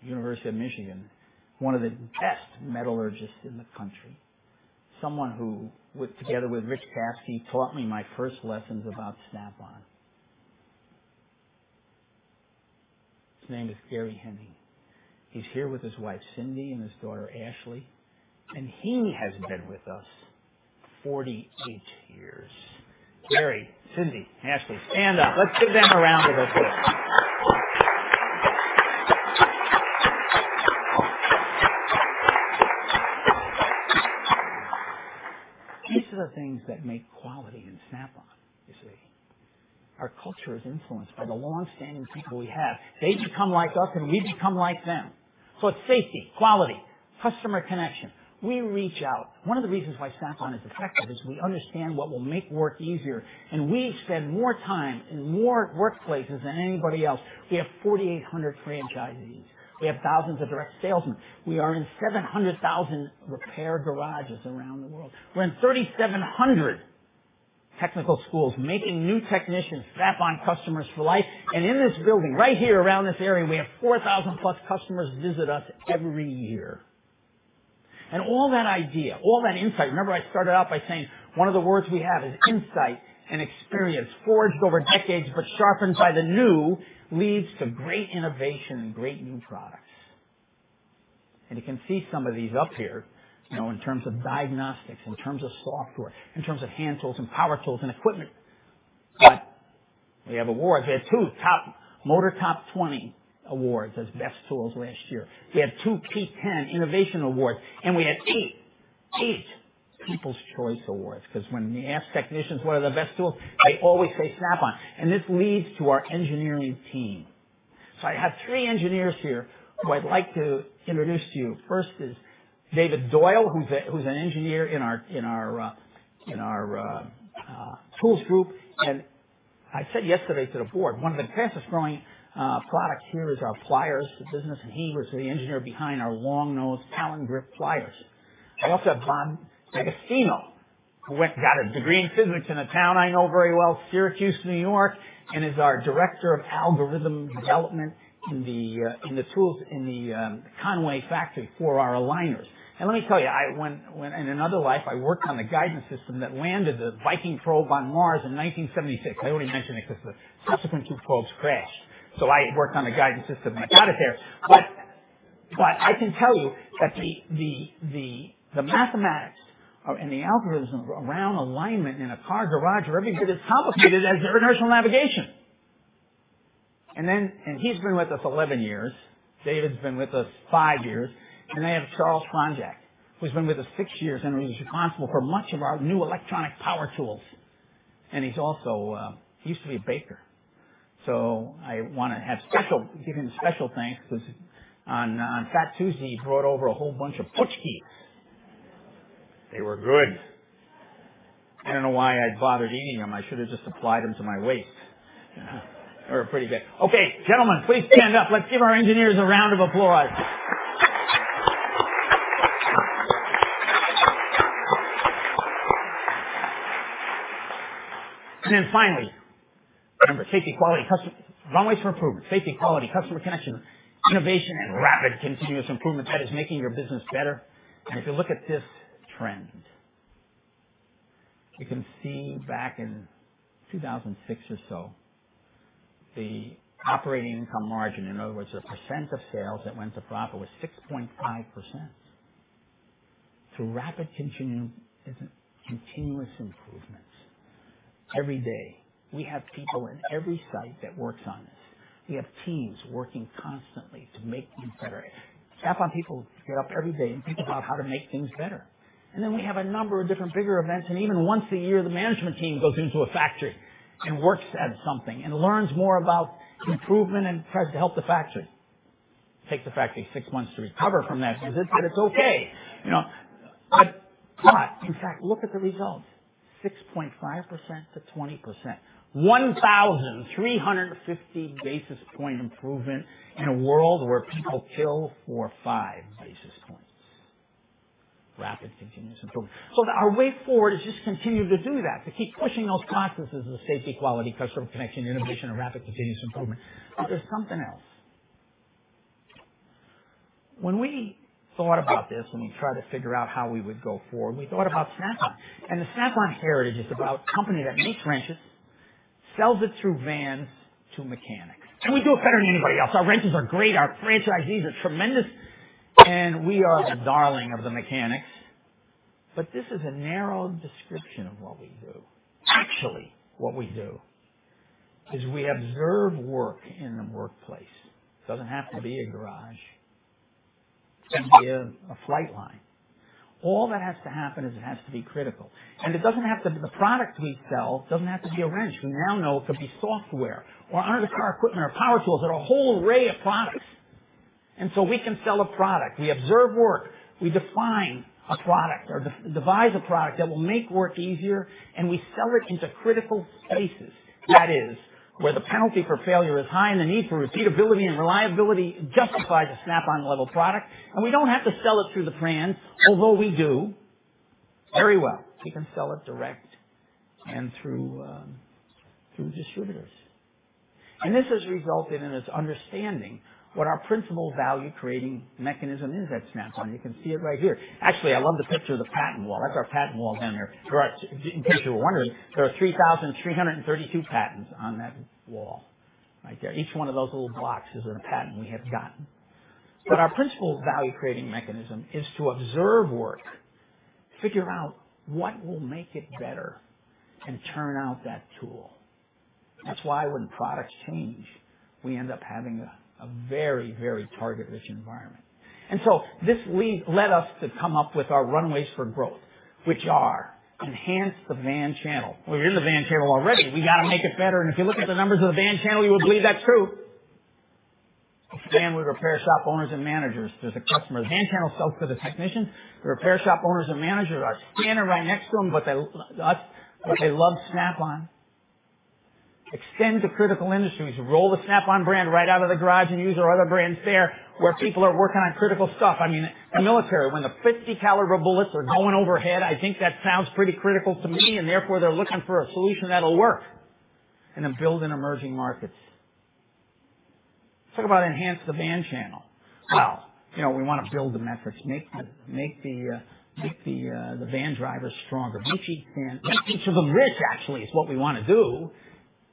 S3: University of Michigan, one of the best metallurgists in the country, someone who, together with Rich Caspi, taught me my first lessons about Snap-on. His name is Gary Henning. He's here with his wife, Cindy, and his daughter, Ashley. He has been with us 48 years. Gary, Cindy, Ashley, stand up. Let's give them a round of applause. These are the things that make quality in Snap-on, you see. Our culture is influenced by the long-standing people we have. They become like us, and we become like them. It's safety, quality, customer connection. We reach out. One of the reasons why Snap-on is effective is we understand what will make work easier, and we spend more time in more workplaces than anybody else. We have 4,800 franchisees. We have thousands of direct salesmen. We are in 700,000 repair garages around the world. We are in 3,700 technical schools making new technicians Snap-on customers for life. In this building, right here around this area, we have 4,000-plus customers visit us every year. All that idea, all that insight. Remember I started out by saying one of the words we have is insight and experience forged over decades, but sharpened by the new leads to great innovation and great new products. You can see some of these up here in terms of diagnostics, in terms of software, in terms of hand tools and power tools and equipment. We have awards. We had two top Motor Top 20 awards as best tools last year. We had two P10 innovation awards, and we had eight people's choice awards. Because when we ask technicians what are the best tools, they always say Snap-on. This leads to our engineering team. I have three engineers here who I'd like to introduce to you. First is David Doyle, who's an engineer in our tools group. I said yesterday to the board, one of the fastest-growing products here is our pliers business, and he was the engineer behind our long-nosed Talon Grip pliers. We also have Bob D'Agostino, who got a degree in physics in a town I know very well, Syracuse, New York, and is our director of algorithm development in the tools in the Conway factory for our aligners. Let me tell you, in another life, I worked on the guidance system that landed the Viking probe on Mars in 1976. I already mentioned it because the subsequent two probes crashed. I worked on the guidance system, and I got it there. I can tell you that the mathematics and the algorithms around alignment in a car garage or everything is as complicated as their inertial navigation. He's been with us 11 years. David's been with us five years. I have Charles Franjak, who's been with us six years and is responsible for much of our new electronic power tools. He used to be a baker. I want to give him special thanks because on Fat Tuesday, he brought over a whole bunch of paczki. They were good. I do not know why I bothered eating them. I should have just applied them to my waist. They were pretty good. Okay, gentlemen, please stand up. Let's give our engineers a round of applause. Finally, remember safety, quality, customer runways for improvement, safety, quality, customer connection, innovation, and rapid continuous improvement that is making your business better. If you look at this trend, you can see back in 2006 or so, the operating income margin, in other words, the percent of sales that went to profit, was 6.5%. Through rapid continuous improvements, every day, we have people in every site that works on this. We have teams working constantly to make things better. Snap-on people get up every day and think about how to make things better. We have a number of different bigger events. Even once a year, the management team goes into a factory and works at something and learns more about improvement and tries to help the factory. It takes the factory six months to recover from that because it's okay. In fact, look at the results. 6.5% to 20%. 1,350 basis point improvement in a world where people kill for five basis points. Rapid continuous improvement. Our way forward is just continue to do that, to keep pushing those processes of safety, quality, customer connection, innovation, and rapid continuous improvement. There's something else. When we thought about this, when we tried to figure out how we would go forward, we thought about Snap-on. The Snap-on heritage is about a company that makes wrenches, sells it through vans to mechanics. We do it better than anybody else. Our wrenches are great. Our franchisees are tremendous. We are the darling of the mechanics. This is a narrow description of what we do. Actually, what we do is we observe work in the workplace. It does not have to be a garage. It can be a flight line. All that has to happen is it has to be critical. The product we sell does not have to be a wrench. We now know it could be software or under-the-car equipment or power tools. There are a whole array of products. We can sell a product. We observe work. We define a product or devise a product that will make work easier, and we sell it into critical spaces. That is where the penalty for failure is high and the need for repeatability and reliability justifies a Snap-on-level product. We do not have to sell it through the brand, although we do very well. We can sell it direct and through distributors. This has resulted in us understanding what our principal value-creating mechanism is at Snap-on. You can see it right here. Actually, I love the picture of the patent wall. That is our patent wall down there. In case you were wondering, there are 3,332 patents on that wall right there. Each one of those little blocks is a patent we have gotten. Our principal value-creating mechanism is to observe work, figure out what will make it better, and turn out that tool. That is why when products change, we end up having a very, very target-rich environment. This led us to come up with our runways for growth, which are enhance the van channel. We are in the van channel already. We got to make it better. If you look at the numbers of the van channel, you would believe that's true. Van with repair shop owners and managers, there's a customer. The van channel sells to the technicians. The repair shop owners and managers are standing right next to them, but they love Snap-on. Extend to critical industries. Roll the Snap-on brand right out of the garage and use our other brands there where people are working on critical stuff. I mean, the military, when the 50-caliber bullets are going overhead, I think that sounds pretty critical to me, and therefore they're looking for a solution that'll work. Build in emerging markets. Talk about enhance the van channel. We want to build the metrics, make the van drivers stronger. So the reach, actually, is what we want to do,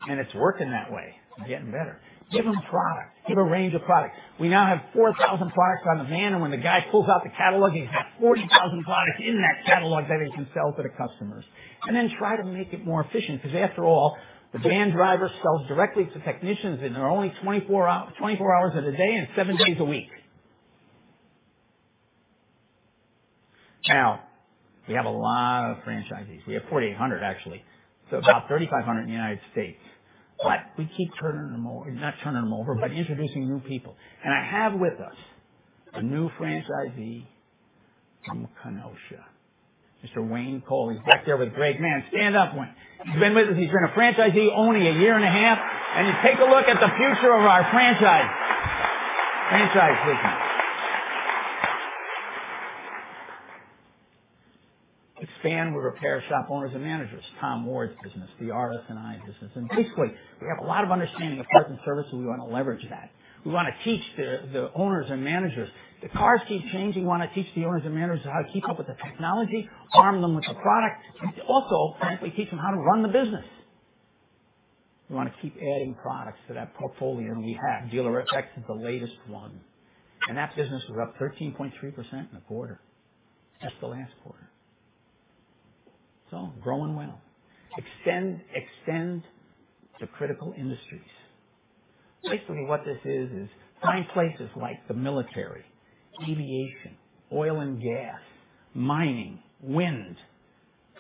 S3: and it's working that way. We're getting better. Give them products. Give a range of products. We now have 4,000 products on the van, and when the guy pulls out the catalog, he's got 40,000 products in that catalog that he can sell to the customers. Try to make it more efficient because, after all, the van driver sells directly to technicians in only 24 hours of the day and 7 days a week. We have a lot of franchisees. We have 4,800, actually. It's about 3,500 in the United States. We keep turning them over, not turning them over, but introducing new people. I have with us a new franchisee from Kenosha, Mr. Wayne Cole. He's back there with Greg Mann. Stand up. He's been with us. He's been a franchisee only a year and a half. Take a look at the future of our franchise business. Expand with repair shop owners and managers, Tom Ward's business, the RS&I business. Basically, we have a lot of understanding of parts and services. We want to leverage that. We want to teach the owners and managers. The cars keep changing. We want to teach the owners and managers how to keep up with the technology, arm them with the product, and also, frankly, teach them how to run the business. We want to keep adding products to that portfolio we have. Dealer-FX is the latest one. That business was up 13.3% in a quarter, just the last quarter. Growing well. Extend to critical industries. Basically, what this is, is find places like the military, aviation, oil and gas, mining, wind,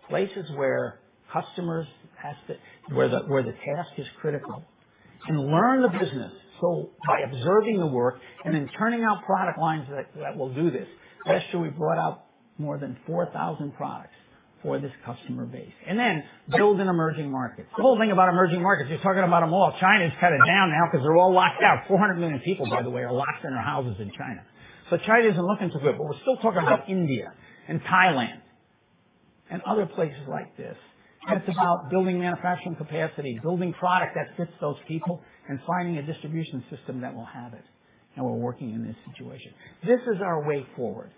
S3: places where customers have to where the task is critical, and learn the business by observing the work and then turning out product lines that will do this. Last year, we brought out more than 4,000 products for this customer base. Then build in emerging markets. The whole thing about emerging markets, you're talking about them all. China is kind of down now because they're all locked out. 400 million people, by the way, are locked in their houses in China. China isn't looking too good, but we're still talking about India and Thailand and other places like this. It's about building manufacturing capacity, building product that fits those people, and finding a distribution system that will have it. We're working in this situation. This is our way forward.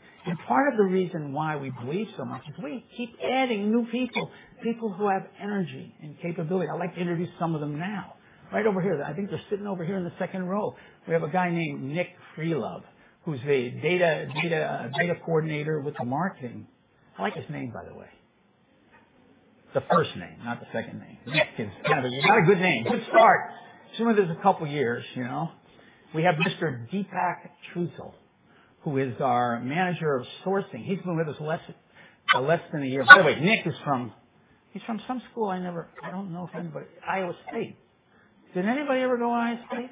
S3: Part of the reason why we believe so much is we keep adding new people, people who have energy and capability. I'd like to introduce some of them now. Right over here. I think they're sitting over here in the second row. We have a guy named Nick Freelove, who's the data coordinator with the marketing. I like his name, by the way. The first name, not the second name. Nick is kind of a not a good name. Good start. He's been with us a couple of years. We have Mr. Deepak Trisal, who is our manager of sourcing. He's been with us for less than a year. By the way, Nick is from some school. I don't know if anybody Iowa State. Did anybody ever go to Iowa State?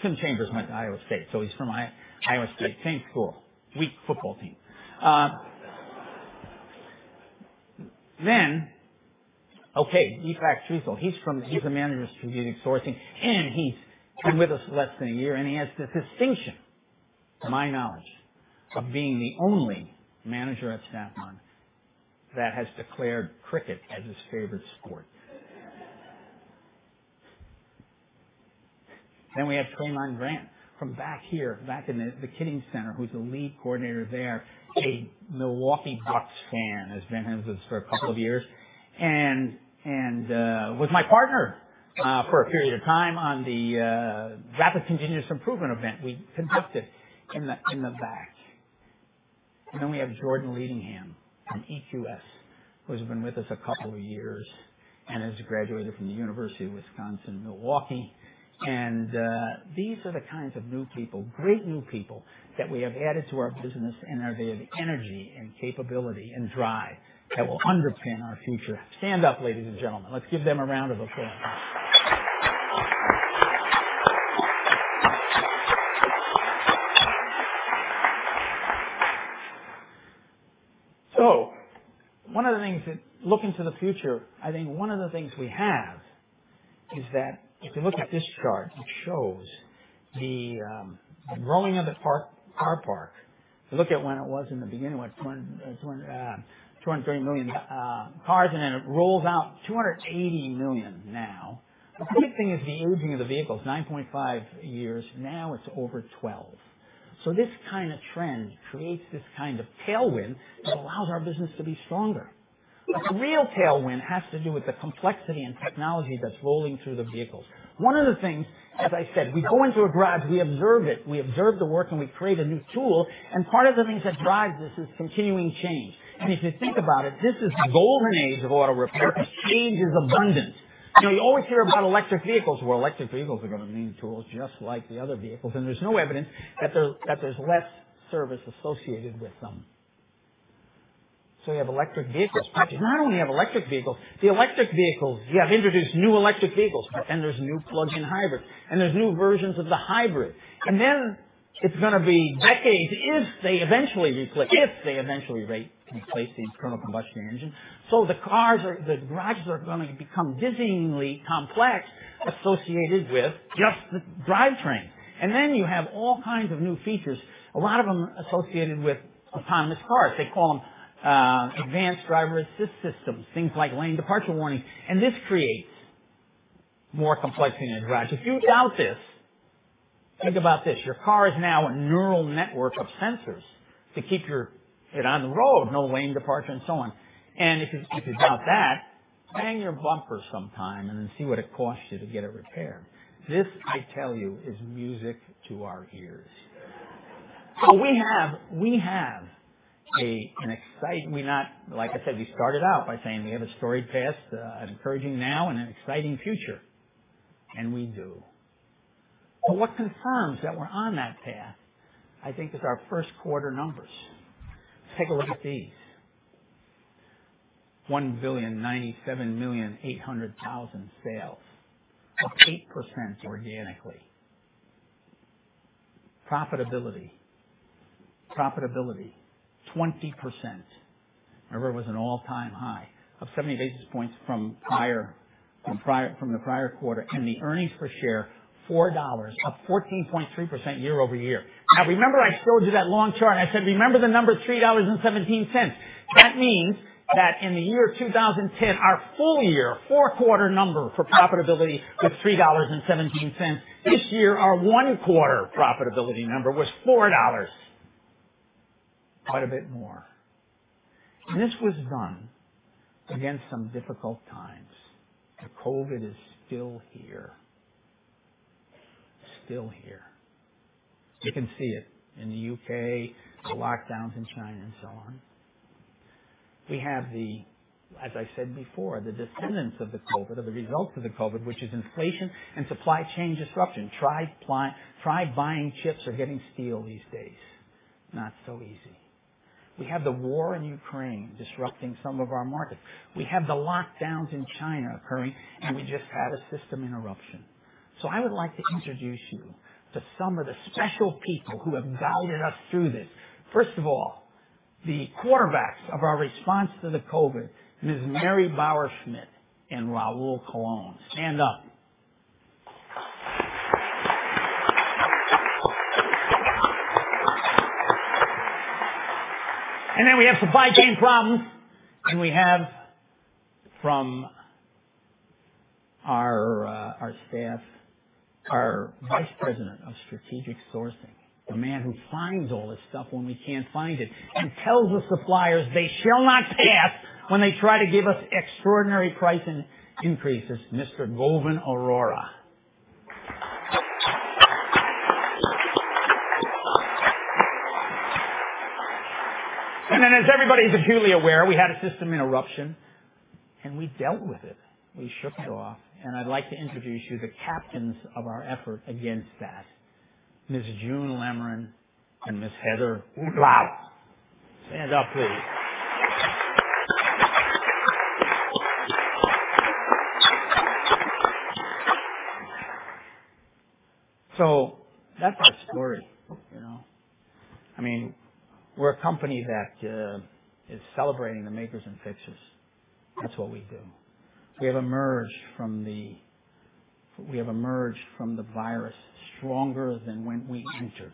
S3: Tim Chambers went to Iowa State, so he's from Iowa State. Same school. Weak football team. Okay, Deepak Trisal. He's the manager of strategic sourcing, and he's been with us for less than a year. He has the distinction, to my knowledge, of being the only manager at Snap-on that has declared cricket as his favorite sport. We have Trayvon Grant from back here, back in the Kitting Center, who's the lead coordinator there. A Milwaukee Bucks fan, has been with us for a couple of years, and was my partner for a period of time on the rapid continuous improvement event we conducted in the back. We have Jordan Leadingham from EQS, who has been with us a couple of years and has graduated from the University of Wisconsin, Milwaukee. These are the kinds of new people, great new people, that we have added to our business and are the energy and capability and drive that will underpin our future. Stand up, ladies and gentlemen. Let's give them a round of applause. One of the things that looking to the future, I think one of the things we have is that if you look at this chart, it shows the growing of the car park. If you look at when it was in the beginning, it was 230 million cars, and then it rolls out 280 million now. The big thing is the aging of the vehicles. 9.5 years now, it's over 12. This kind of trend creates this kind of tailwind that allows our business to be stronger. The real tailwind has to do with the complexity and technology that's rolling through the vehicles. One of the things, as I said, we go into a garage, we observe it, we observe the work, and we create a new tool. Part of the things that drive this is continuing change. If you think about it, this is the golden age of auto repair. Change is abundant. You always hear about electric vehicles. Electric vehicles are going to need tools just like the other vehicles. There is no evidence that there is less service associated with them. You have electric vehicles. Not only do you have electric vehicles, the electric vehicles, you have introduced new electric vehicles, and there are new plug-in hybrids, and there are new versions of the hybrid. It is going to be decades if they eventually replace the internal combustion engine. The garages are going to become dizzyingly complex associated with just the drivetrain. You have all kinds of new features, a lot of them associated with autonomous cars. They call them advanced driver assist systems, things like lane departure warning. This creates more complexity in the garage. If you doubt this, think about this. Your car is now a neural network of sensors to keep you on the road, no lane departure, and so on. If you doubt that, bang your bumper sometime and then see what it costs you to get it repaired. This, I tell you, is music to our ears. We have an exciting—like I said, we started out by saying we have a storied past, an encouraging now, and an exciting future. We do. What confirms that we are on that path, I think, is our first quarter numbers. Take a look at these. $1,097,800,000 sales, up 8% organically. Profitability, profitability, 20%. Remember, it was an all-time high of 70 basis points from the prior quarter. The earnings per share, $4, up 14.3% year-over-year. Now, remember I showed you that long chart. I said, "Remember the number $3.17?" That means that in the year 2010, our full year, four-quarter number for profitability was $3.17. This year, our one-quarter profitability number was $4. Quite a bit more. This was done against some difficult times. COVID is still here. Still here. You can see it in the U.K., the lockdowns in China, and so on. We have, as I said before, the descendants of the COVID, of the results of the COVID, which is inflation and supply chain disruption. Try buying chips or getting steel these days. Not so easy. We have the war in Ukraine disrupting some of our markets. We have the lockdowns in China occurring, and we just had a system interruption. I would like to introduce you to some of the special people who have guided us through this. First of all, the quarterbacks of our response to the COVID, Ms. Mary Bauerschmidt and Raul Colon. Stand up. We have supply chain problems, and we have from our staff, our Vice President of Strategic Sourcing, the man who finds all this stuff when we cannot find it and tells the suppliers they shall not pass when they try to give us extraordinary price increases, Mr. Govan Aurora. As everybody is acutely aware, we had a system interruption, and we dealt with it. We shook it off. I would like to introduce you to the captains of our effort against that, Ms. June Lemerand and Ms. Heather Wu Lao. Stand up, please. That's our story. I mean, we're a company that is celebrating the makers and fixers. That's what we do. We have emerged from the virus stronger than when we entered.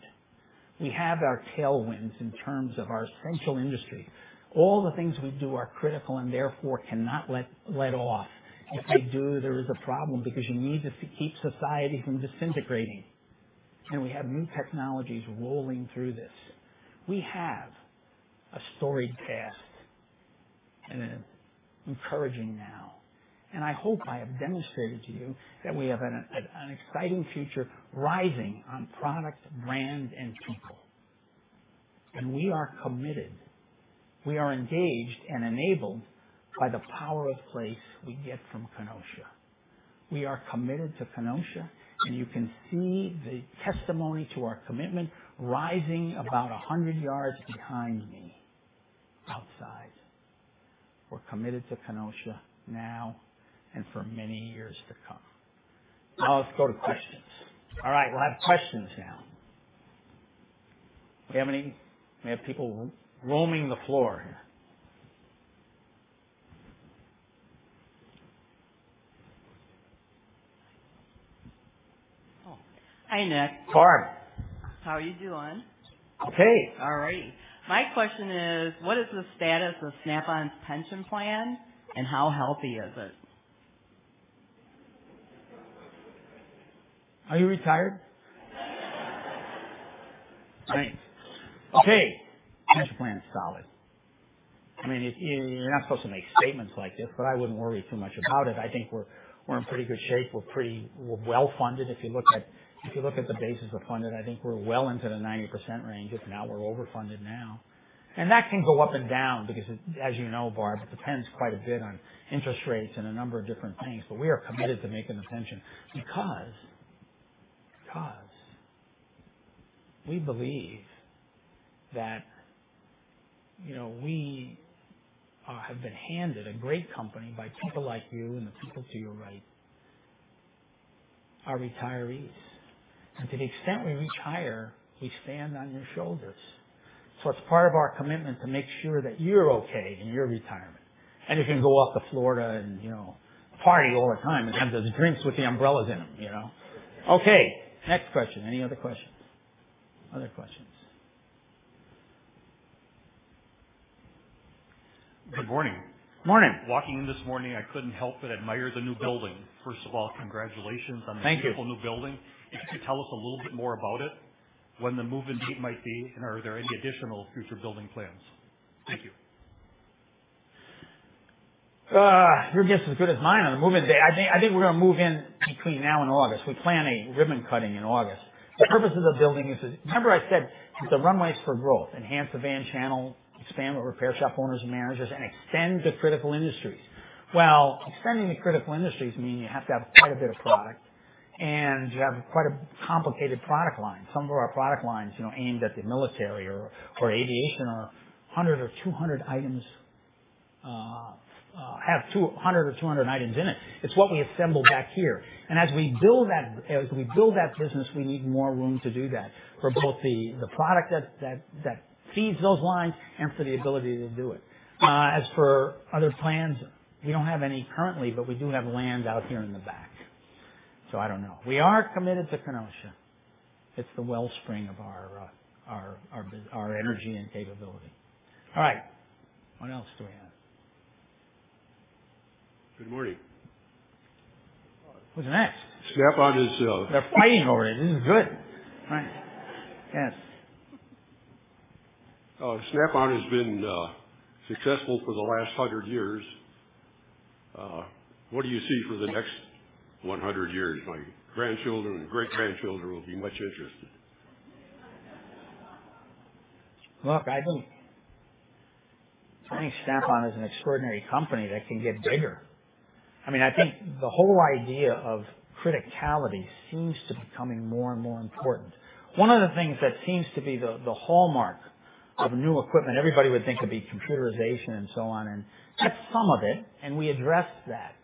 S3: We have our tailwinds in terms of our essential industry. All the things we do are critical and therefore cannot let off. If they do, there is a problem because you need to keep society from disintegrating. We have new technologies rolling through this. We have a storied past and an encouraging now. I hope I have demonstrated to you that we have an exciting future rising on product, brand, and people. We are committed. We are engaged and enabled by the power of place we get from Kenosha. We are committed to Kenosha, and you can see the testimony to our commitment rising about 100 yards behind me outside. We're committed to Kenosha now and for many years to come. Now, let's go to questions. All right. We'll have questions now. We have people roaming the floor here.
S5: Hi, Nick.
S3: How are you?
S5: How are you doing?
S3: Okay.
S5: All righty. My question is, what is the status of Snap-on's pension plan, and how healthy is it?
S3: Are you retired? Nice. Okay. Pension plan is solid. I mean, you're not supposed to make statements like this, but I wouldn't worry too much about it. I think we're in pretty good shape. We're well-funded. If you look at the basis of funded, I think we're well into the 90% range. Now we're overfunded now. That can go up and down because, as you know, Barb, it depends quite a bit on interest rates and a number of different things. We are committed to making a pension because we believe that we have been handed a great company by people like you and the people to your right, our retirees. To the extent we retire, we stand on your shoulders. It's part of our commitment to make sure that you're okay in your retirement. If you can go out to Florida and party all the time and have those drinks with the umbrellas in them. Okay. Next question. Any other questions? Other questions?
S6: Good morning.
S3: Morning.
S6: Walking in this morning, I couldn't help but admire the new building. First of all, congratulations on the beautiful new building.
S3: Thank you.
S6: If you could tell us a little bit more about it, when the move-in date might be, and are there any additional future building plans? Thank you.
S3: Your guess is as good as mine on the move-in date. I think we're going to move in between now and August. We plan a ribbon-cutting in August. The purpose of the building is, remember I said the runway's for growth, enhance the van channel, expand what repair shop owners and managers, and extend the critical industries. Extending the critical industries means you have to have quite a bit of product, and you have quite a complicated product line. Some of our product lines aimed at the military or aviation are 100 or 200 items, have 100 or 200 items in it. It's what we assemble back here. As we build that business, we need more room to do that for both the product that feeds those lines and for the ability to do it. As for other plans, we don't have any currently, but we do have land out here in the back. I don't know. We are committed to Kenosha. It's the wellspring of our energy and capability. All right. What else do we have?
S7: Good morning.
S3: Who's next?
S7: Snap-on is.
S3: They're fighting over it. This is good. All right. Yes.
S7: Snap-on has been successful for the last 100 years. What do you see for the next 100 years? My grandchildren and great-grandchildren will be much interested.
S3: Look, I think Snap-on is an extraordinary company that can get bigger. I mean, I think the whole idea of criticality seems to be becoming more and more important. One of the things that seems to be the hallmark of new equipment, everybody would think it'd be computerization and so on, and that's some of it, and we addressed that.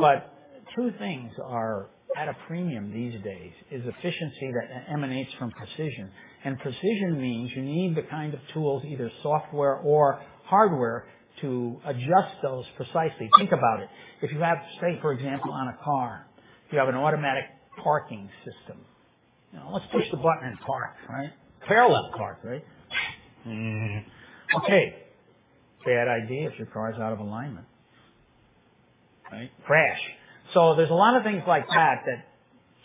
S3: But two things are at a premium these days: efficiency that emanates from precision. And precision means you need the kind of tools, either software or hardware, to adjust those precisely. Think about it. If you have, say, for example, on a car, you have an automatic parking system. Let's push the button and park, right? Parallel park, right? Okay. Bad idea if your car's out of alignment. Right? Crash. There are a lot of things like that that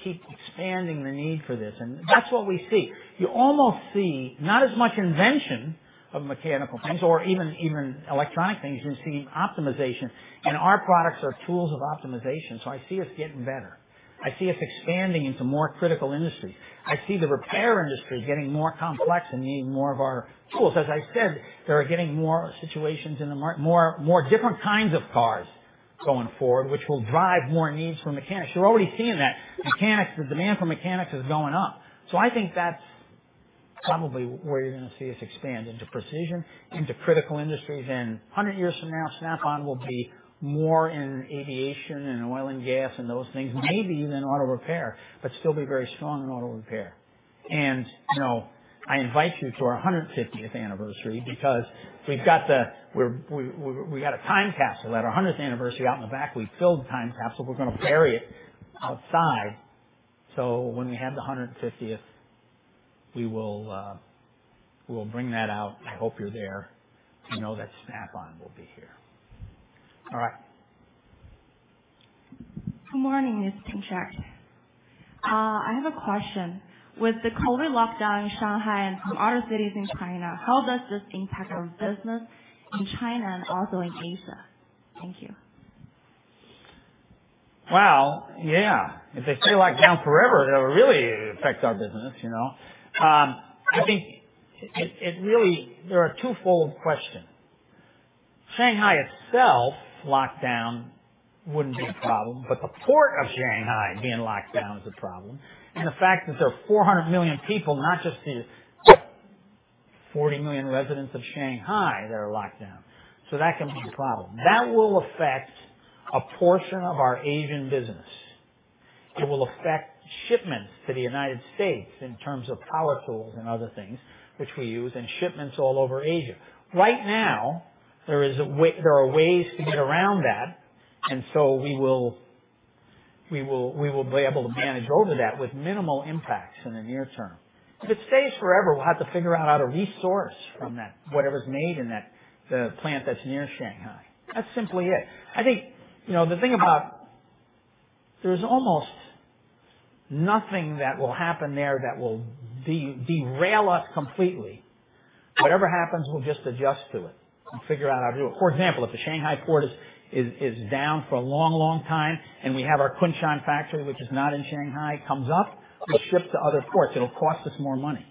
S3: keep expanding the need for this. That's what we see. You almost see not as much invention of mechanical things or even electronic things. You see optimization, and our products are tools of optimization. I see us getting better. I see us expanding into more critical industries. I see the repair industry getting more complex and needing more of our tools. As I said, there are getting more situations in the market, more different kinds of cars going forward, which will drive more needs for mechanics. You're already seeing that. The demand for mechanics is going up. I think that's probably where you're going to see us expand into precision, into critical industries. And 100 years from now, Snap-on will be more in aviation and oil and gas and those things, maybe even auto repair, but still be very strong in auto repair. I invite you to our 150th anniversary because we've got a time capsule. At our 100th anniversary, out in the back, we filled the time capsule. We're going to bury it outside. When we have the 150th, we will bring that out. I hope you're there. I know that Snap-on will be here. All right.
S8: Good morning, Mr. Pinchuk. I have a question. With the COVID lockdown in Shanghai and some other cities in China, how does this impact our business in China and also in Asia? Thank you.
S3: If they stay locked down forever, it'll really affect our business. I think there are twofold questions. Shanghai itself locked down wouldn't be a problem, but the port of Shanghai being locked down is a problem. The fact that there are 400 million people, not just the 40 million residents of Shanghai that are locked down, can be a problem. That will affect a portion of our Asian business. It will affect shipments to the United States in terms of power tools and other things which we use and shipments all over Asia. Right now, there are ways to get around that, and we will be able to manage over that with minimal impacts in the near term. If it stays forever, we'll have to figure out how to resource from whatever's made in the plant that's near Shanghai. That's simply it. I think the thing about there's almost nothing that will happen there that will derail us completely. Whatever happens, we'll just adjust to it and figure out how to do it. For example, if the Shanghai port is down for a long, long time and we have our Kunshan factory, which is not in Shanghai, comes up, we ship to other ports. It'll cost us more money.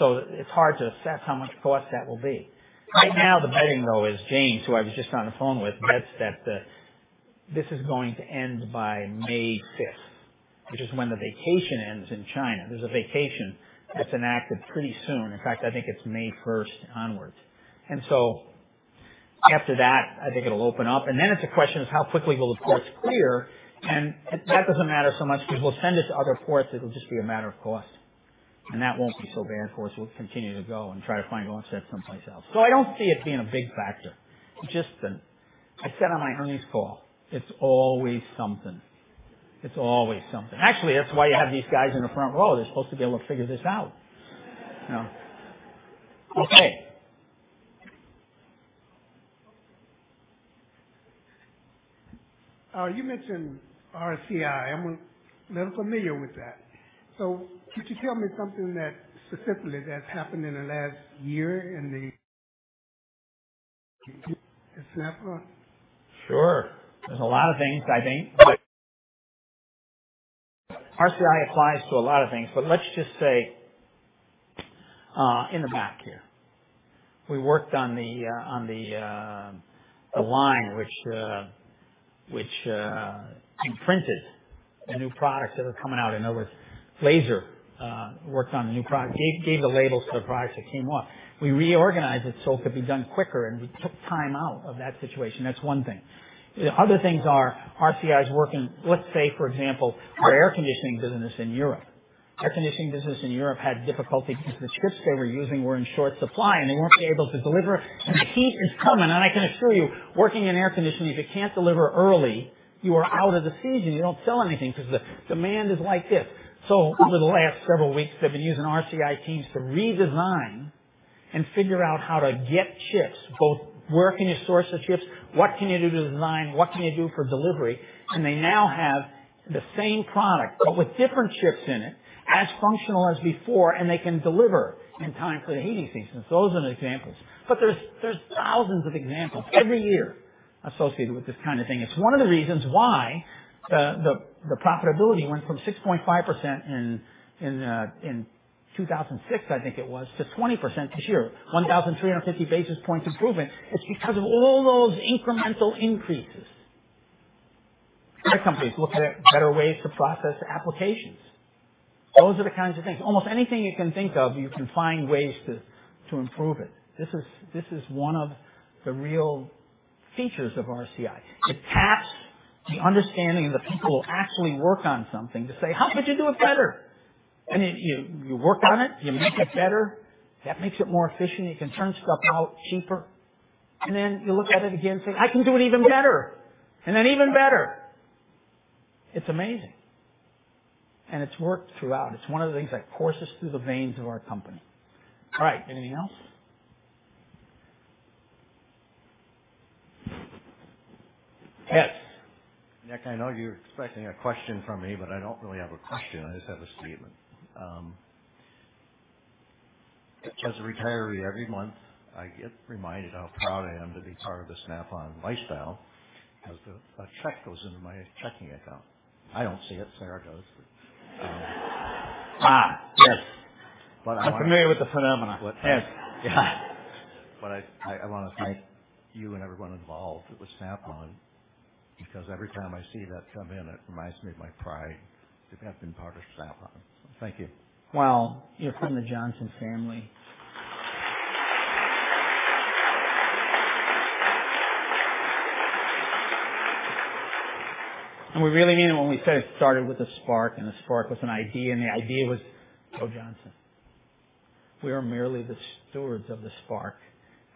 S3: It's hard to assess how much cost that will be. Right now, the betting, though, is James, who I was just on the phone with, bets that this is going to end by May 5th, which is when the vacation ends in China. There's a vacation that's enacted pretty soon. In fact, I think it's May 1st onwards. After that, I think it'll open up. Then it's a question of how quickly will the ports clear. That does not matter so much because we will send it to other ports. It will just be a matter of cost. That will not be so bad for us. We will continue to go and try to find offsets someplace else. I do not see it being a big factor. I said on my earnings call, it is always something. It is always something. Actually, that is why you have these guys in the front row. They are supposed to be able to figure this out. Okay.
S9: You mentioned RCI. I'm a little familiar with that. Could you tell me something specifically that's happened in the last year in the Snap-on?
S3: Sure. There's a lot of things, I think. RCI applies to a lot of things, but let's just say in the back here, we worked on the line which imprinted the new products that were coming out. I know it was laser. Worked on the new product. Gave the labels to the products that came off. We reorganized it so it could be done quicker, and we took time out of that situation. That's one thing. Other things are RCI's working, let's say, for example, our air conditioning business in Europe. Air conditioning business in Europe had difficulty because the chips they were using were in short supply, and they weren't able to deliver. The heat is coming. I can assure you, working in air conditioning, if you can't deliver early, you are out of the season. You don't sell anything because the demand is like this. Over the last several weeks, they've been using RCI teams to redesign and figure out how to get chips, both where can you source the chips, what can you do to design, what can you do for delivery. They now have the same product, but with different chips in it, as functional as before, and they can deliver in time for the heating season. Those are examples. There are thousands of examples every year associated with this kind of thing. It's one of the reasons why the profitability went from 6.5% in 2006, I think it was, to 20% this year, 1,350 basis points improvement. It's because of all those incremental increases. Other companies look at better ways to process applications. Those are the kinds of things. Almost anything you can think of, you can find ways to improve it. This is one of the real features of RCI. It taps the understanding of the people who actually work on something to say, "How could you do it better?" You worked on it. You make it better. That makes it more efficient. You can turn stuff out cheaper. You look at it again and say, "I can do it even better." Even better. It's amazing. It's worked throughout. It's one of the things that courses through the veins of our company. All right. Anything else? Yes.
S10: Nick, I know you're expecting a question from me, but I don't really have a question. I just have a statement. As a retiree, every month, I get reminded how proud I am to be part of the Snap-on lifestyle because a check goes into my checking account. I don't see it. Sarah does.
S3: yes.
S10: I'm familiar with the phenomenon.
S3: Yes.
S10: I want to thank you and everyone involved with Snap-on because every time I see that come in, it reminds me of my pride to have been part of Snap-on. Thank you.
S3: You are from the Johnson family. We really mean it when we said it started with a spark, and the spark was an idea, and the idea was, "Oh, Johnson. We are merely the stewards of the spark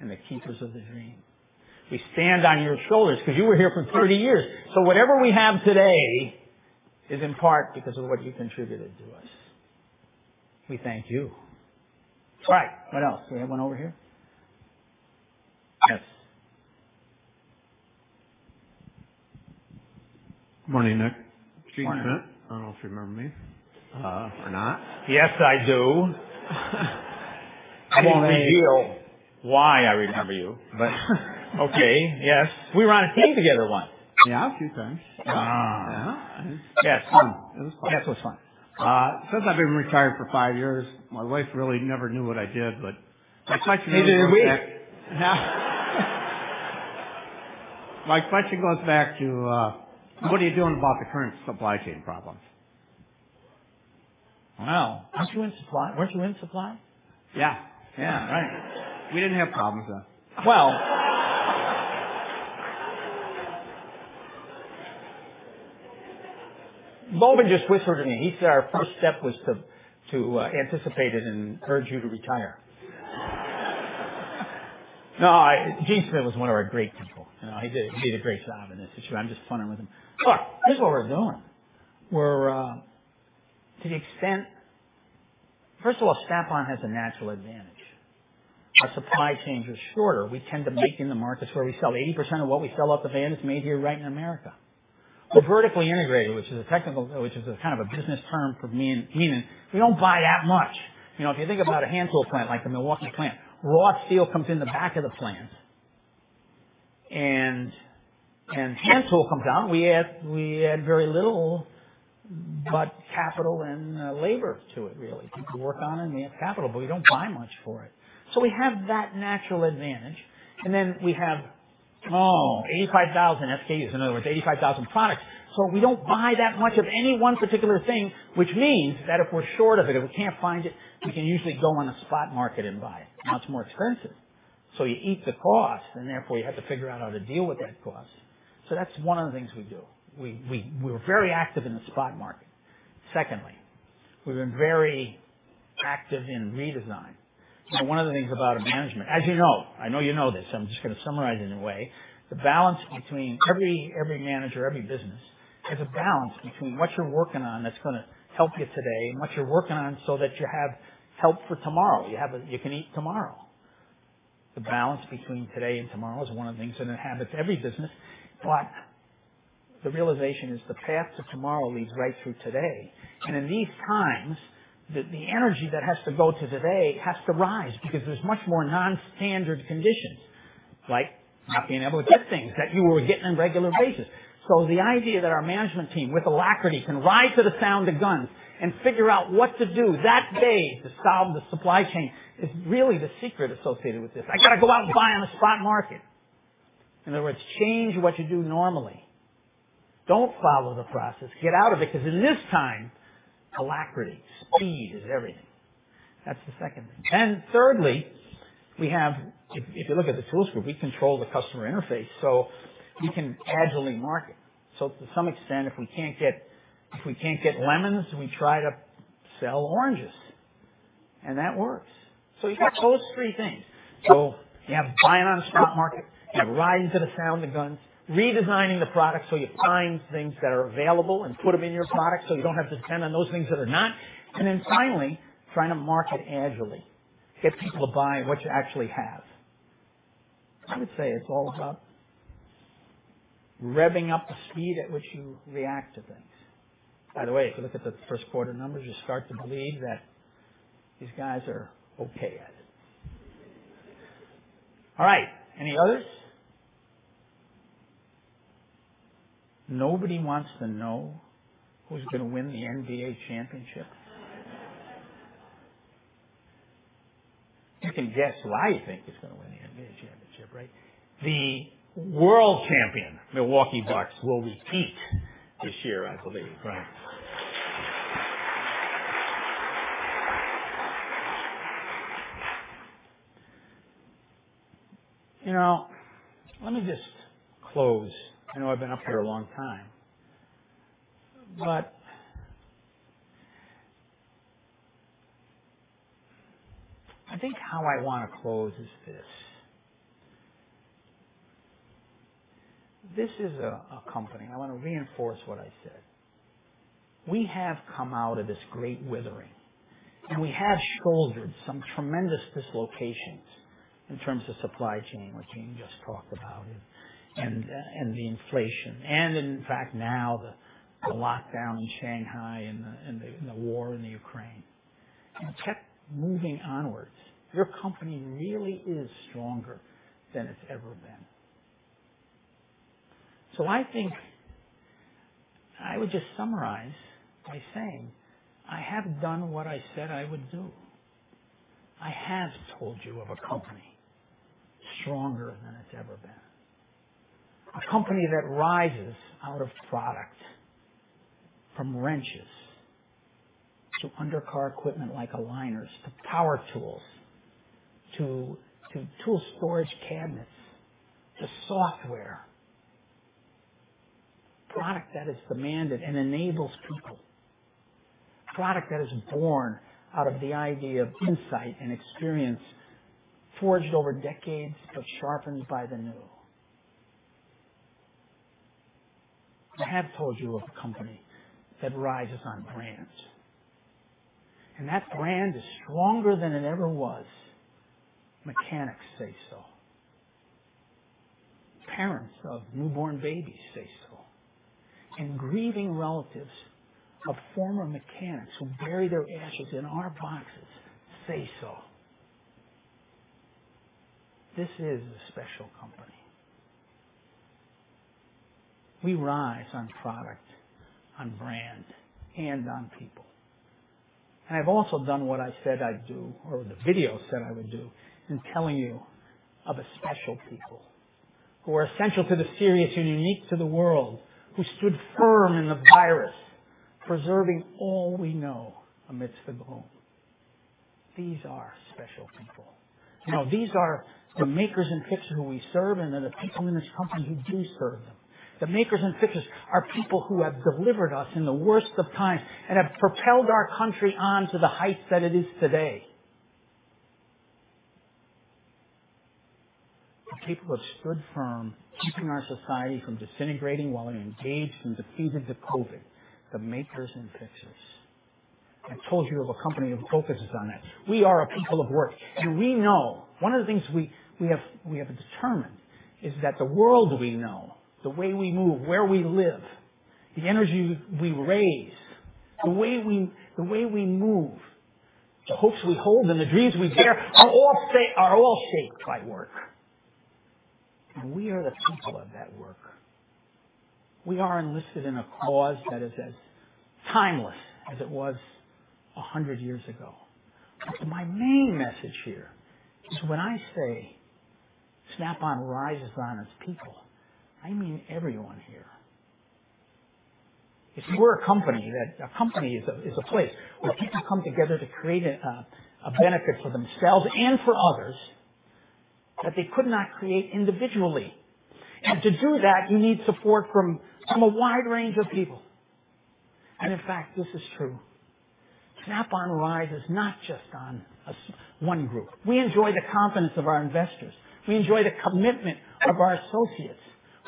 S3: and the keepers of the dream. We stand on your shoulders because you were here for 30 years. So whatever we have today is in part because of what you contributed to us. We thank you." All right. What else? Do we have one over here?
S11: Yes. Good morning, Nick.
S3: Morning.
S11: I don't know if you remember me. Or not.
S3: Yes, I do. I won't reveal why I remember you, but okay. Yes. We were on a team together once.
S11: Yeah, a few times. Yeah.
S3: Yeah. Yeah, it's fun.
S11: It was fun.
S3: Yeah, it was fun.
S11: Since I've been retired for five years, my wife really never knew what I did, but my question goes back.
S3: She didn't know.
S11: My question goes back to, what are you doing about the current supply chain problems?
S3: Wow. Aren't you in supply? Weren't you in supply?
S11: Yeah. Yeah. Right. We didn't have problems then.
S3: Logan just whispered to me. He said our first step was to anticipate it and urge you to retire. No, James Smith was one of our great people. He did a great job in this issue. I'm just funny with him. Look, here's what we're doing. To the extent, first of all, Snap-on has a natural advantage. Our supply chain is shorter. We tend to make in the markets where we sell. 80% of what we sell at the van is made here right in America. We're vertically integrated, which is a kind of a business term for meaning we don't buy that much. If you think about a hand tool plant like the Milwaukee plant, raw steel comes in the back of the plant and hand tool comes out. We add very little capital and labor to it, really. We work on it, and we have capital, but we don't buy much for it. So we have that natural advantage. We have, oh, 85,000 SKUs, in other words, 85,000 products. We do not buy that much of any one particular thing, which means that if we are short of it, if we cannot find it, we can usually go on a spot market and buy it. Now it is more expensive. You eat the cost, and therefore you have to figure out how to deal with that cost. That is one of the things we do. We are very active in the spot market. Secondly, we have been very active in redesign. One of the things about management, as you know, I know you know this, I am just going to summarize it in a way. The balance between every manager, every business, there is a balance between what you are working on that is going to help you today and what you are working on so that you have help for tomorrow. You can eat tomorrow. The balance between today and tomorrow is one of the things that inhabits every business. The realization is the path to tomorrow leads right through today. In these times, the energy that has to go to today has to rise because there's much more non-standard conditions, like not being able to get things that you were getting on a regular basis. The idea that our management team with alacrity can ride to the sound of guns and figure out what to do that day to solve the supply chain is really the secret associated with this. I got to go out and buy on the spot market. In other words, change what you do normally. Don't follow the process. Get out of it because in this time, alacrity speed is everything. That's the second thing. Thirdly, if you look at the Tools Group, we control the customer interface. We can agilely market. To some extent, if we cannot get lemons, we try to sell oranges. That works. You have those three things. You have buying on the spot market, you have riding to the sound of guns, redesigning the product so you find things that are available and put them in your product so you do not have to depend on those things that are not. Finally, trying to market agilely, get people to buy what you actually have. I would say it is all about revving up the speed at which you react to things. By the way, if you look at the first quarter numbers, you start to believe that these guys are okay at it. All right. Any others? Nobody wants to know who's going to win the NBA championship. You can guess who I think is going to win the NBA championship, right? The world champion Milwaukee Bucks will repeat this year, I believe. Right. Let me just close. I know I've been up here a long time, but I think how I want to close is this. This is a company. I want to reinforce what I said. We have come out of this great withering, and we have shouldered some tremendous dislocations in terms of supply chain, which Jean just talked about, and the inflation. In fact, now the lockdown in Shanghai and the war in Ukraine. Check moving onwards. Your company really is stronger than it's ever been. I think I would just summarize by saying I have done what I said I would do. I have told you of a company stronger than it's ever been. A company that rises out of product, from wrenches to undercar equipment like aligners to power tools to tool storage cabinets to software. Product that is demanded and enables people. Product that is born out of the idea of insight and experience forged over decades, but sharpened by the new. I have told you of a company that rises on brand. That brand is stronger than it ever was. Mechanics say so. Parents of newborn babies say so. Grieving relatives of former mechanics who bury their ashes in our boxes say so. This is a special company. We rise on product, on brand, and on people. I've also done what I said I'd do, or the video said I would do, in telling you of a special people who are essential to the serious and unique to the world, who stood firm in the virus, preserving all we know amidst the gloom. These are special people. These are the makers and fixers who we serve and the people in this company who do serve them. The makers and fixers are people who have delivered us in the worst of times and have propelled our country on to the heights that it is today. The people who have stood firm, keeping our society from disintegrating while we engaged and defeated the COVID. The makers and fixers. I told you of a company who focuses on that. We are a people of work. We know one of the things we have determined is that the world we know, the way we move, where we live, the energy we raise, the way we move, the hopes we hold, and the dreams we dare are all shaped by work. We are the people of that work. We are enlisted in a cause that is as timeless as it was 100 years ago. My main message here is when I say Snap-on rises on its people, I mean everyone here. If we are a company, a company is a place where people come together to create a benefit for themselves and for others that they could not create individually. To do that, you need support from a wide range of people. In fact, this is true. Snap-on rises not just on one group. We enjoy the confidence of our investors. We enjoy the commitment of our associates.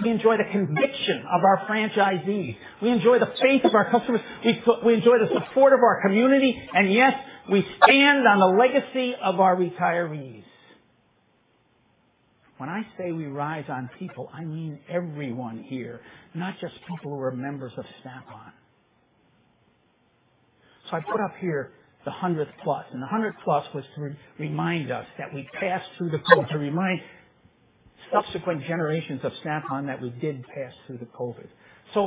S3: We enjoy the conviction of our franchisees. We enjoy the faith of our customers. We enjoy the support of our community. Yes, we stand on the legacy of our retirees. When I say we rise on people, I mean everyone here, not just people who are members of Snap-on. I put up here the 100th plus. The 100th plus was to remind us that we passed through the COVID, to remind subsequent generations of Snap-on that we did pass through the COVID.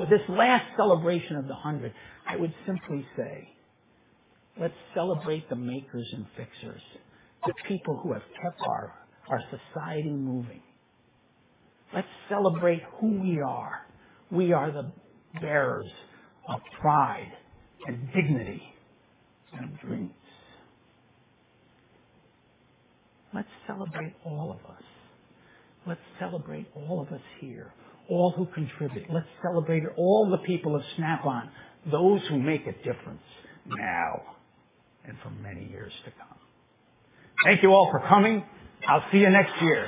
S3: This last celebration of the 100, I would simply say, let's celebrate the makers and fixers, the people who have kept our society moving. Let's celebrate who we are. We are the bearers of pride and dignity and dreams. Let's celebrate all of us. Let's celebrate all of us here, all who contribute. Let's celebrate all the people of Snap-on, those who make a difference now and for many years to come. Thank you all for coming. I'll see you next year.